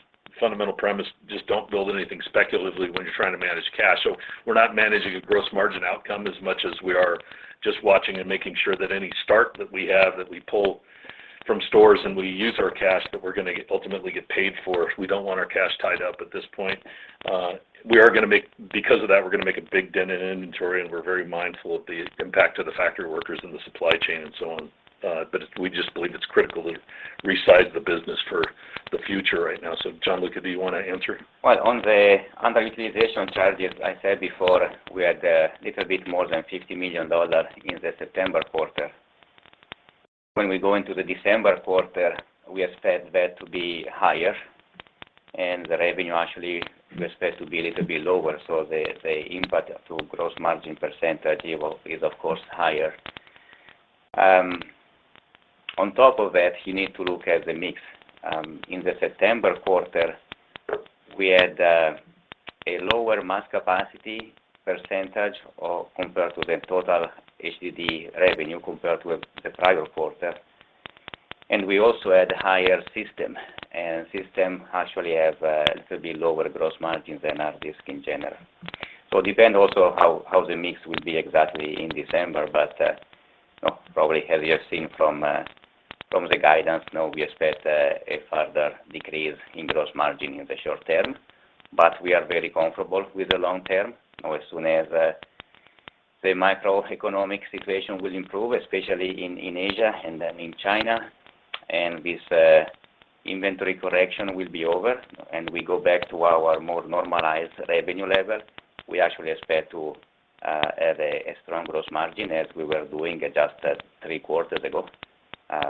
fundamental premise, just don't build anything speculatively when you're trying to manage cash. We're not managing a gross margin outcome as much as we are just watching and making sure that any stock that we have, that we pull from stores and we use our cash that we're gonna ultimately get paid for. We don't want our cash tied up at this point. We are gonna make a big dent in inventory because of that, and we're very mindful of the impact to the factory workers and the supply chain and so on. We just believe it's critical to resize the business for the future right now. Gianluca, do you want to answer? On the underutilization charges, I said before we had a little bit more than $50 million in the September quarter. When we go into the December quarter, we expect that to be higher, and the revenue actually we expect to be a little bit lower. The impact to gross margin percentage is, of course, higher. On top of that, you need to look at the mix. In the September quarter, we had a lower mass capacity percentage compared to the total HDD revenue compared to the prior quarter. We also had higher system, and system actually have a little bit lower gross margin than hard disk in general. It depends also how the mix will be exactly in December. You know, probably as you have seen from the guidance, you know, we expect a further decrease in gross margin in the short term, but we are very comfortable with the long term. You know, as soon as the macroeconomic situation will improve, especially in Asia and then in China, and this inventory correction will be over, and we go back to our more normalized revenue level. We actually expect to have a strong gross margin as we were doing just three quarters ago.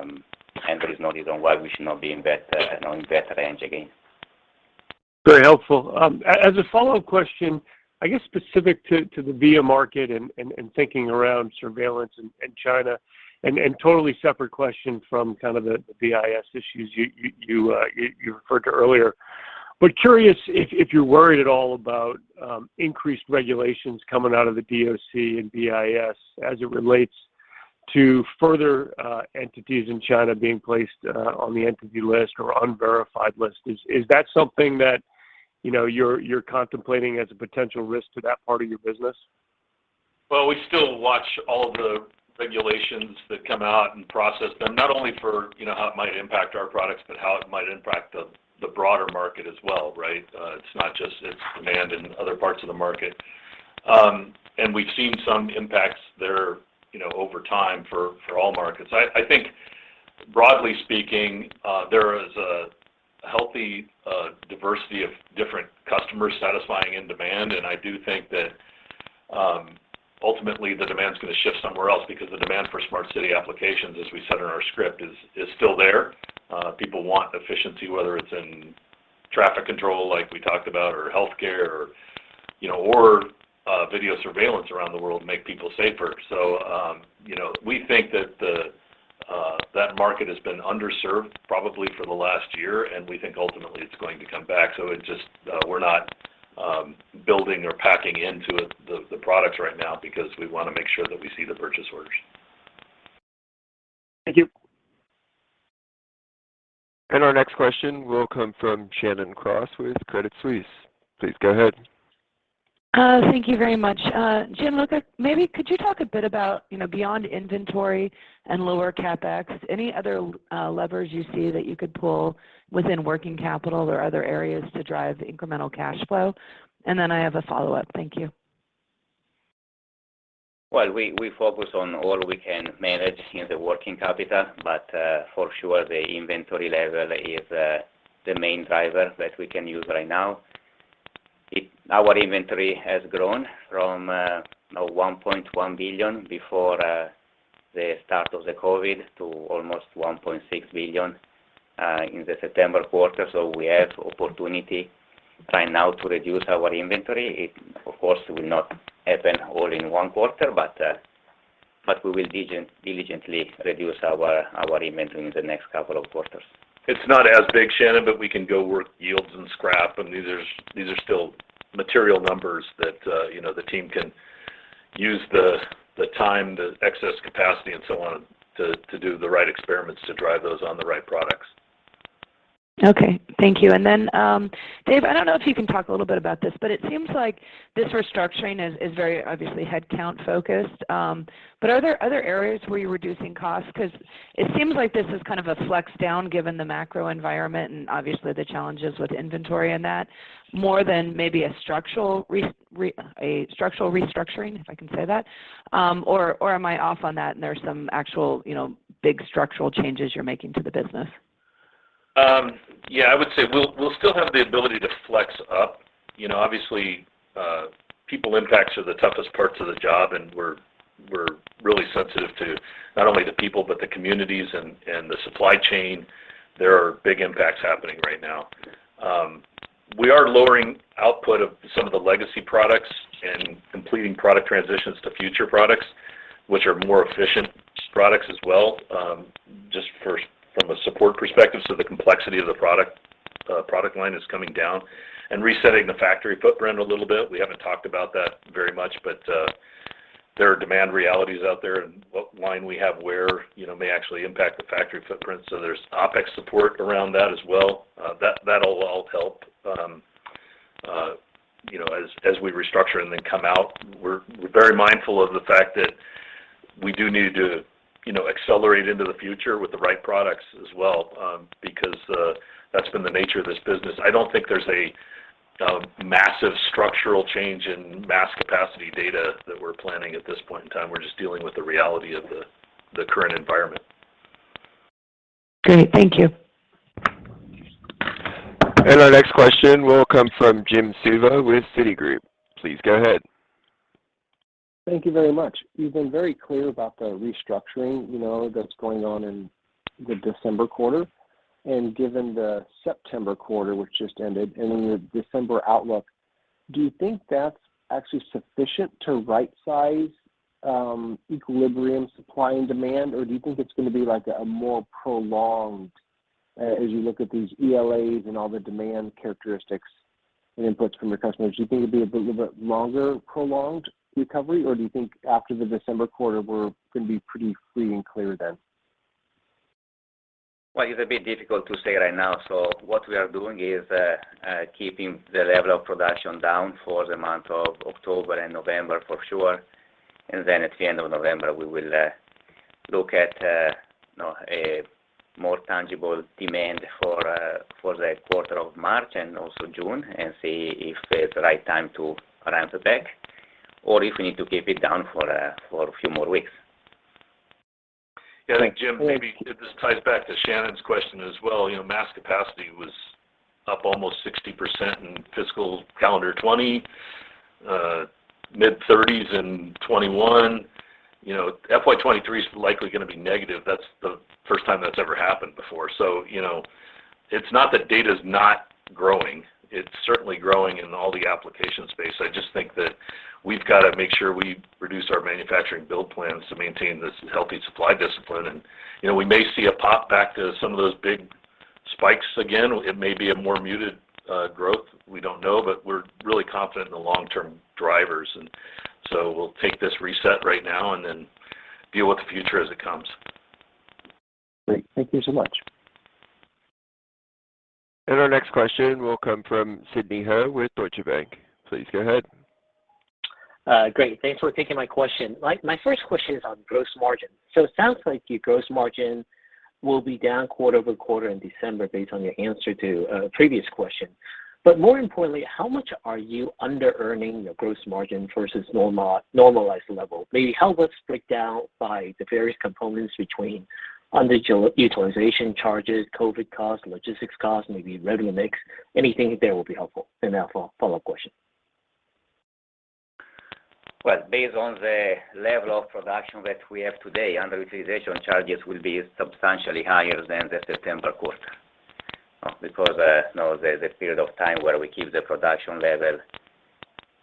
And there is no reason why we should not be in that you know, in that range again. Very helpful. As a follow-up question, I guess specific to the VIA market and thinking around surveillance in China, and totally separate question from kind of the BIS issues you referred to earlier. Curious if you're worried at all about increased regulations coming out of the DOC and BIS as it relates to further entities in China being placed on the entity list or unverified list. Is that something that, you know, you're contemplating as a potential risk to that part of your business? Well, we still watch all the regulations that come out and process them, not only for, you know, how it might impact our products, but how it might impact the broader market as well, right? It's not just its demand in other parts of the market. We've seen some impacts there, you know, over time for all markets. I think broadly speaking, there is a healthy diversity of different customers satisfying end demand, and I do think that ultimately the demand is gonna shift somewhere else because the demand for smart city applications, as we said in our script, is still there. People want efficiency, whether it's in traffic control like we talked about, or healthcare, or you know, or video surveillance around the world to make people safer. You know, we think that the market has been underserved probably for the last year, and we think ultimately it's going to come back. It's just, we're not building or packing into it the products right now because we want to make sure that we see the purchase orders. Thank you. Our next question will come from Shannon Cross with Credit Suisse. Please go ahead. Thank you very much. Gianluca, maybe could you talk a bit about, you know, beyond inventory and lower CapEx, any other levers you see that you could pull within working capital or other areas to drive incremental cash flow? I have a follow-up. Thank you. Well, we focus on all we can manage in the working capital, but for sure the inventory level is the main driver that we can use right now. Our inventory has grown from $1.1 billion before the start of the COVID to almost $1.6 billion in the September quarter. We have opportunity right now to reduce our inventory. It of course will not happen all in one quarter, but we will diligently reduce our inventory in the next couple of quarters. It's not as big, Shannon, but we can go work yields and scrap, and these are still material numbers that, you know, the team can use the time, the excess capacity and so on to do the right experiments to drive those on the right products. Okay. Thank you. Dave, I don't know if you can talk a little bit about this, but it seems like this restructuring is very obviously headcount focused. Are there other areas where you're reducing costs? Because it seems like this is kind of a flex down given the macro environment and obviously the challenges with inventory and that more than maybe a structural restructuring, if I can say that. Or am I off on that and there are some actual, you know, big structural changes you're making to the business? Yeah, I would say we'll still have the ability to flex up. You know, obviously, people impacts are the toughest parts of the job, and we're really sensitive to not only the people, but the communities and the supply chain. There are big impacts happening right now. We are lowering output of some of the legacy products and completing product transitions to future products, which are more efficient products as well, just from a support perspective. The complexity of the product line is coming down and resetting the factory footprint a little bit. We haven't talked about that very much, but there are demand realities out there and what line we have where, you know, may actually impact the factory footprint. There's OpEx support around that as well. That'll all help, you know, as we restructure and then come out. We're very mindful of the fact that we do need to, you know, accelerate into the future with the right products as well, because that's been the nature of this business. I don't think there's a massive structural change in mass capacity data that we're planning at this point in time. We're just dealing with the reality of the current environment. Great. Thank you. Our next question will come from Jim Suva with Citigroup. Please go ahead. Thank you very much. You've been very clear about the restructuring, you know, that's going on in the December quarter. Given the September quarter, which just ended, and in the December outlook, do you think that's actually sufficient to right size equilibrium supply and demand? Or do you think it's going to be like a more prolonged, as you look at these LTAs and all the demand characteristics and inputs from your customers, do you think it'll be a bit of a longer prolonged recovery, or do you think after the December quarter, we're going to be pretty free and clear then? Well, it's a bit difficult to say right now. What we are doing is keeping the level of production down for the month of October and November for sure. Then at the end of November, we will look at, you know, a more tangible demand for the quarter of March and also June and see if it's the right time to ramp it back or if we need to keep it down for a few more weeks. Yeah. Jim, maybe this ties back to Shannon's question as well. You know, mass capacity was up almost 60% in fiscal calendar 2020, mid-30s% in 2021. You know, FY 2023 is likely going to be negative. That's the first time that's ever happened before. You know, it's not that data is not growing. It's certainly growing in all the application space. I just think that we've got to make sure we reduce our manufacturing build plans to maintain this healthy supply discipline. You know, we may see a pop back to some of those big spikes again. It may be a more muted growth. We don't know, but we're really confident in the long-term drivers. We'll take this reset right now and then deal with the future as it comes. Great. Thank you so much. Our next question will come from Sidney Ho with Deutsche Bank. Please go ahead. Great. Thanks for taking my question. My first question is on gross margin. So it sounds like your gross margin will be down quarter-over-quarter in December based on your answer to a previous question. But more importantly, how much are you under earning your gross margin versus normalized level? Maybe help us break down by the various components between underutilization charges, COVID costs, logistics costs, maybe revenue mix, anything there will be helpful. Now for a follow-up question. Well, based on the level of production that we have today, underutilization charges will be substantially higher than the September quarter, because you know, the period of time where we keep the production level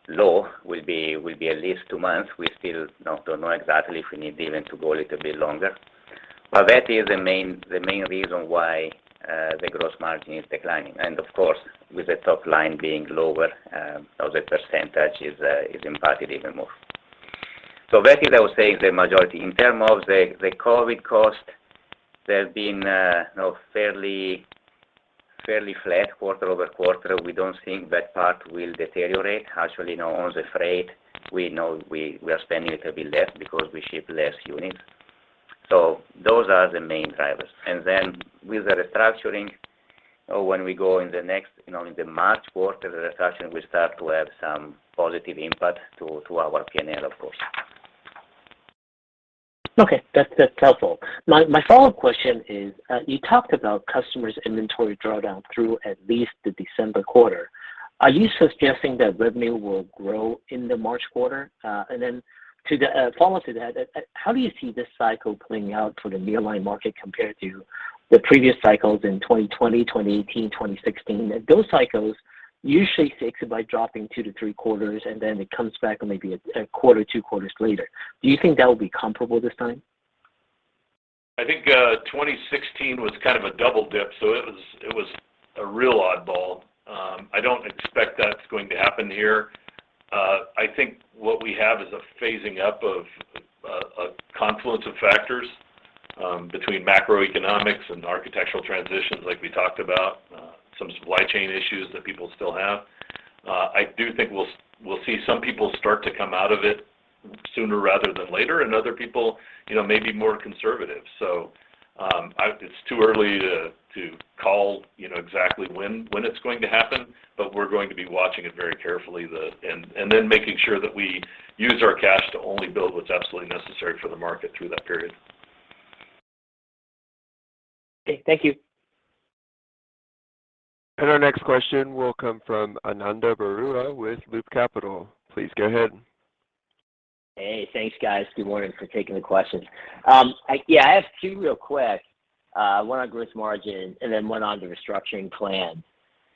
low will be at least two months. We still don't know exactly if we need even to go a little bit longer. That is the main reason why the gross margin is declining. Of course, with the top line being lower, you know, the percentage is impacted even more. That is, I would say, the majority. In terms of the COVID cost, there has been you know, fairly flat quarter-over-quarter. We don't think that part will deteriorate. Actually, you know, on the freight, we know we are spending a little bit less because we ship less units. Those are the main drivers. Then with the restructuring, when we go in the next, you know, in the March quarter, the restructuring will start to have some positive impact to our P&L, of course. Okay, that's helpful. My follow-up question is, you talked about customers' inventory drawdown through at least the December quarter. Are you suggesting that revenue will grow in the March quarter? And then, follow-up to that, how do you see this cycle playing out for the nearline market compared to the previous cycles in 2020, 2018, 2016? Those cycles usually fix it by dropping 2-3 quarters, and then it comes back maybe a quarter, 2 quarters later. Do you think that will be comparable this time? I think, 2016 was kind of a double dip, so it was a real oddball. I don't expect that's going to happen here. I think what we have is a phasing up of a confluence of factors between macroeconomics and architectural transitions like we talked about, some supply chain issues that people still have. I do think we'll see some people start to come out of it sooner rather than later, and other people, you know, may be more conservative. It's too early to call, you know, exactly when it's going to happen, but we're going to be watching it very carefully and then making sure that we use our cash to only build what's absolutely necessary for the market through that period. Okay, thank you. Our next question will come from Ananda Baruah with Loop Capital. Please go ahead. Hey, thanks, guys. Good morning for taking the question. I have two real quick, one on gross margin and then one on the restructuring plan.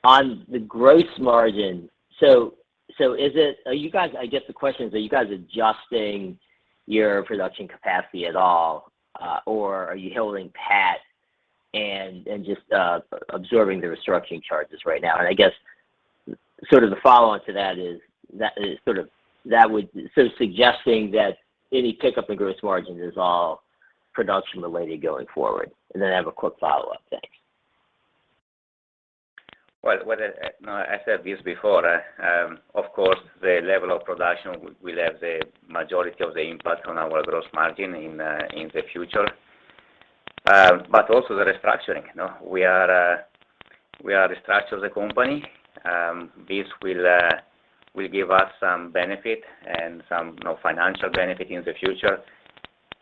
On the gross margin, I guess the question is, are you guys adjusting your production capacity at all, or are you holding pat and just observing the restructuring charges right now? I guess sort of the follow-on to that is that would suggest that any pickup in gross margin is all production related going forward. Then I have a quick follow-up. Thanks. No, I said this before. Of course, the level of production will have the majority of the impact on our gross margin in the future, but also the restructuring. You know, we are restructuring the company. This will give us some benefit and some, you know, financial benefit in the future.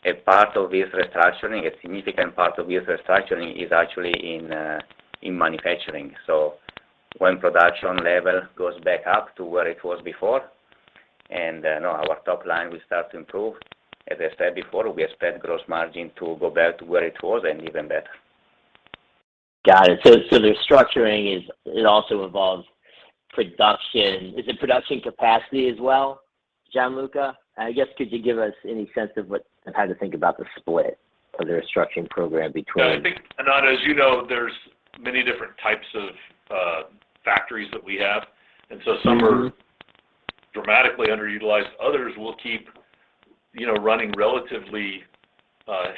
A part of this restructuring, a significant part of this restructuring is actually in manufacturing. When production level goes back up to where it was before and, you know, our top line will start to improve. As I said before, we expect gross margin to go back to where it was and even better. Got it. The restructuring is it also involves production. Is it production capacity as well, Gianluca? I guess, could you give us any sense of what and how to think about the split of the restructuring program between- Yeah, I think, Ananda, as you know, there's many different types of factories that we have, and so some. Mm-hmm are dramatically underutilized. Others we'll keep, you know, running relatively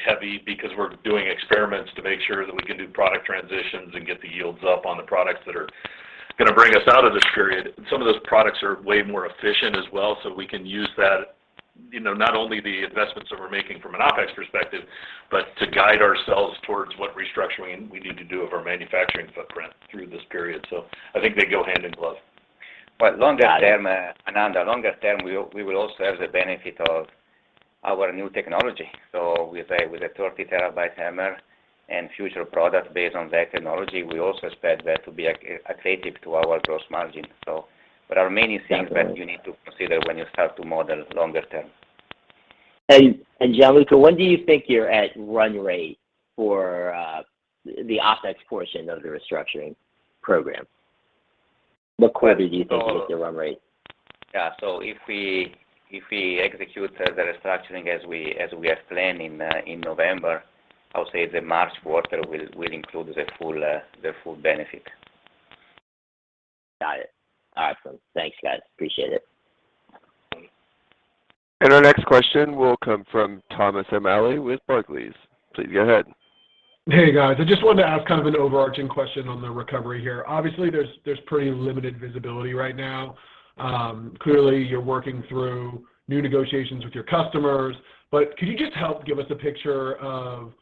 heavy because we're doing experiments to make sure that we can do product transitions and get the yields up on the products that are gonna bring us out of this period. Some of those products are way more efficient as well, so we can use that, you know, not only the investments that we're making from an OpEx perspective, but to guide ourselves towards what restructuring we need to do of our manufacturing footprint through this period. I think they go hand in glove. Longer term. Got it. Ananda, longer term, we will also have the benefit of our new technology. With a 30-terabyte HAMR and future products based on that technology, we also expect that to be additive to our gross margin. There are many things. Got it. that you need to consider when you start to model longer term. Gianluca, when do you think you're at run rate for the OpEx portion of the restructuring program? When do you think you'll hit the run rate? If we execute the restructuring as we are planning in November, I'll say the March quarter will include the full benefit. Got it. All right, cool. Thanks, guys. Appreciate it. Our next question will come from Thomas O'Malley with Barclays. Please go ahead. Hey, guys. I just wanted to ask kind of an overarching question on the recovery here. Obviously, there's pretty limited visibility right now. Clearly you're working through new negotiations with your customers, but could you just help give us a picture of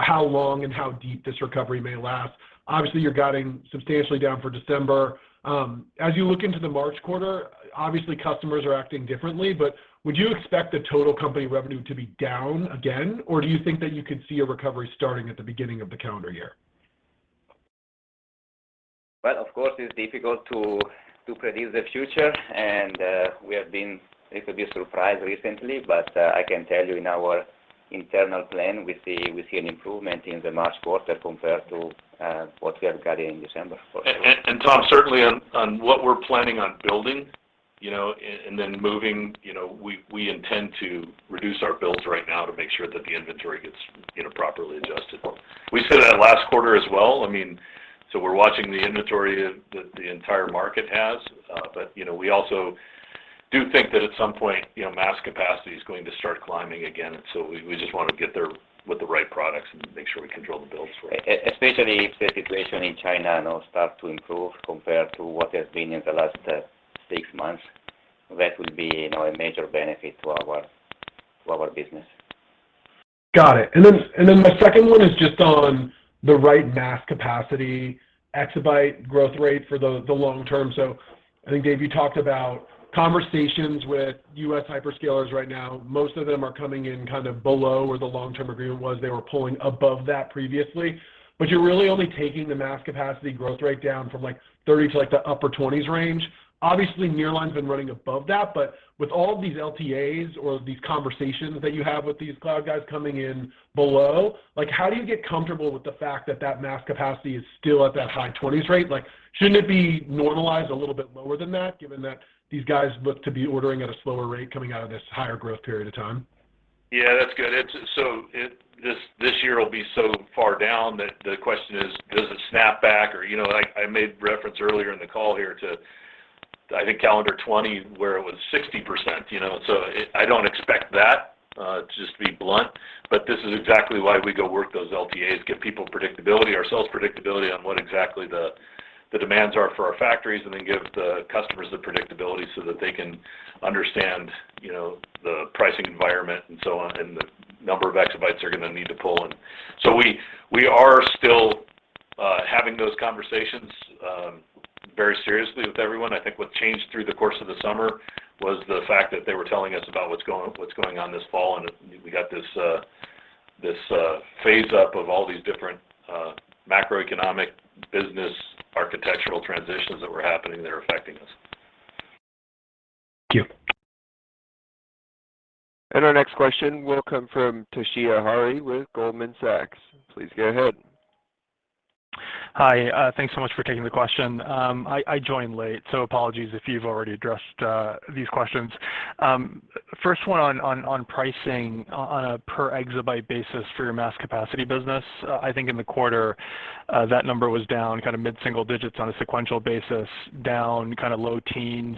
how long and how deep this recovery may last? Obviously, you're guiding substantially down for December. As you look into the March quarter, obviously customers are acting differently, but would you expect the total company revenue to be down again, or do you think that you could see a recovery starting at the beginning of the calendar year? Well, of course it's difficult to predict the future, and we have been a little bit surprised recently. I can tell you in our internal plan, we see an improvement in the March quarter compared to what we are guiding in December for sure. Tom, certainly on what we're planning on building, you know, and then moving, you know, we intend to reduce our builds right now to make sure that the inventory gets, you know, properly adjusted. We said that last quarter as well. I mean, we're watching the inventory that the entire market has. But you know, we also do think that at some point, you know, mass capacity is going to start climbing again. We just want to get there with the right products and make sure we control the builds for it. Especially if the situation in China, you know, starts to improve compared to what has been in the last six months. That will be, you know, a major benefit to our business. Got it. My second one is just on The right mass capacity exabyte growth rate for the long term. I think, Dave, you talked about conversations with U.S. Hyperscalers right now. Most of them are coming in kind of below where the long-term agreement was. They were pulling above that previously. You're really only taking the mass capacity growth rate down from like 30 to like the upper 20s range. Obviously, Nearline's been running above that, but with all of these LTAs or these conversations that you have with these cloud guys coming in below, like, how do you get comfortable with the fact that that mass capacity is still at that high 20s rate? Like, shouldn't it be normalized a little bit lower than that, given that these guys look to be ordering at a slower rate coming out of this higher growth period of time? Yeah, that's good. This year will be so far down that the question is, does it snap back? Or you know what, I made reference earlier in the call here to, I think calendar 2020 where it was 60%, you know. I don't expect that, just to be blunt. This is exactly why we go work those LTAs, give people predictability, ourselves predictability on what exactly the demands are for our factories, and then give the customers the predictability so that they can understand, you know, the pricing environment and so on and the number of exabytes they're gonna need to pull in. We are still having those conversations very seriously with everyone. I think what changed through the course of the summer was the fact that they were telling us about what's going on this fall, and we got this phase up of all these different macroeconomic business architectural transitions that were happening that are affecting us. Thank you. Our next question will come from Toshiya Hari with Goldman Sachs. Please go ahead. Hi. Thanks so much for taking the question. I joined late, so apologies if you've already addressed these questions. First one on pricing on a per exabyte basis for your mass capacity business. I think in the quarter, that number was down kind of mid-single digits on a sequential basis, down kind of low teens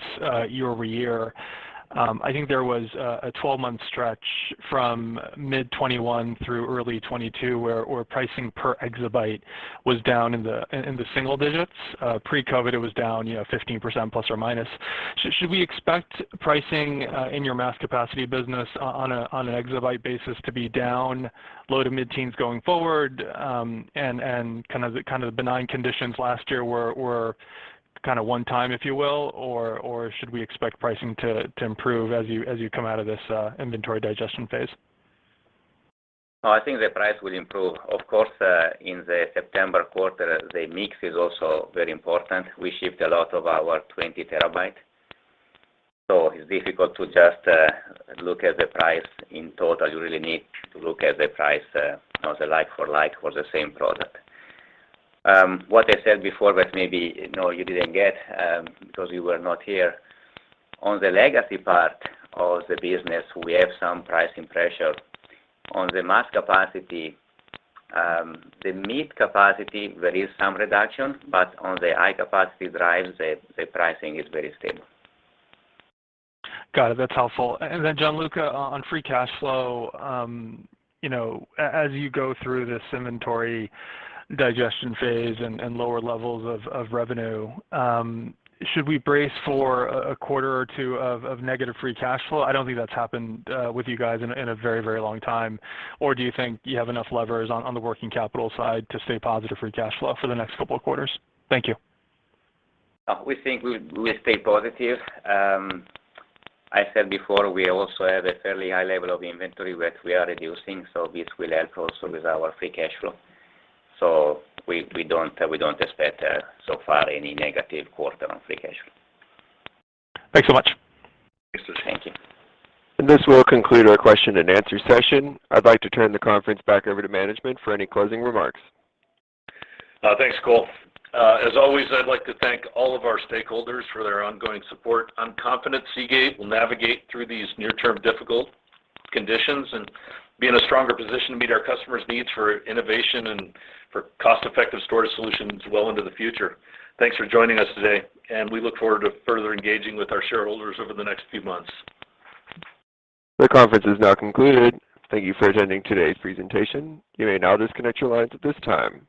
year-over-year. I think there was a 12-month stretch from mid 2021 through early 2022 where pricing per exabyte was down in the single digits. Pre-COVID, it was down, you know, 15% ±. Should we expect pricing in your mass capacity business on an exabyte basis to be down low- to mid-teens% going forward, and kind of the benign conditions last year were kind of one time, if you will, or should we expect pricing to improve as you come out of this inventory digestion phase? I think the price will improve. Of course, in the September quarter, the mix is also very important. We shipped a lot of our 20 TB. It's difficult to just look at the price in total. You really need to look at the price on the like for like for the same product. What I said before that maybe, you know, you didn't get because you were not here. On the legacy part of the business, we have some pricing pressure. On the mass capacity, the mid capacity, there is some reduction, but on the high-capacity drives, the pricing is very stable. Got it. That's helpful. Then, Gianluca, on free cash flow, you know, as you go through this inventory digestion phase and lower levels of revenue, should we brace for a quarter or two of negative free cash flow? I don't think that's happened with you guys in a very long time. Or do you think you have enough levers on the working capital side to stay positive free cash flow for the next couple of quarters? Thank you. We think we stay positive. I said before, we also have a fairly high level of inventory that we are reducing, so this will help also with our free cash flow. We don't expect so far any negative quarter on free cash flow. Thanks so much. Thank you. This will conclude our question and answer session. I'd like to turn the conference back over to management for any closing remarks. Thanks, Cole. As always, I'd like to thank all of our stakeholders for their ongoing support. I'm confident Seagate will navigate through these near-term difficult conditions and be in a stronger position to meet our customers' needs for innovation and for cost-effective storage solutions well into the future. Thanks for joining us today, and we look forward to further engaging with our shareholders over the next few months. The conference is now concluded. Thank you for attending today's presentation. You may now disconnect your lines at this time.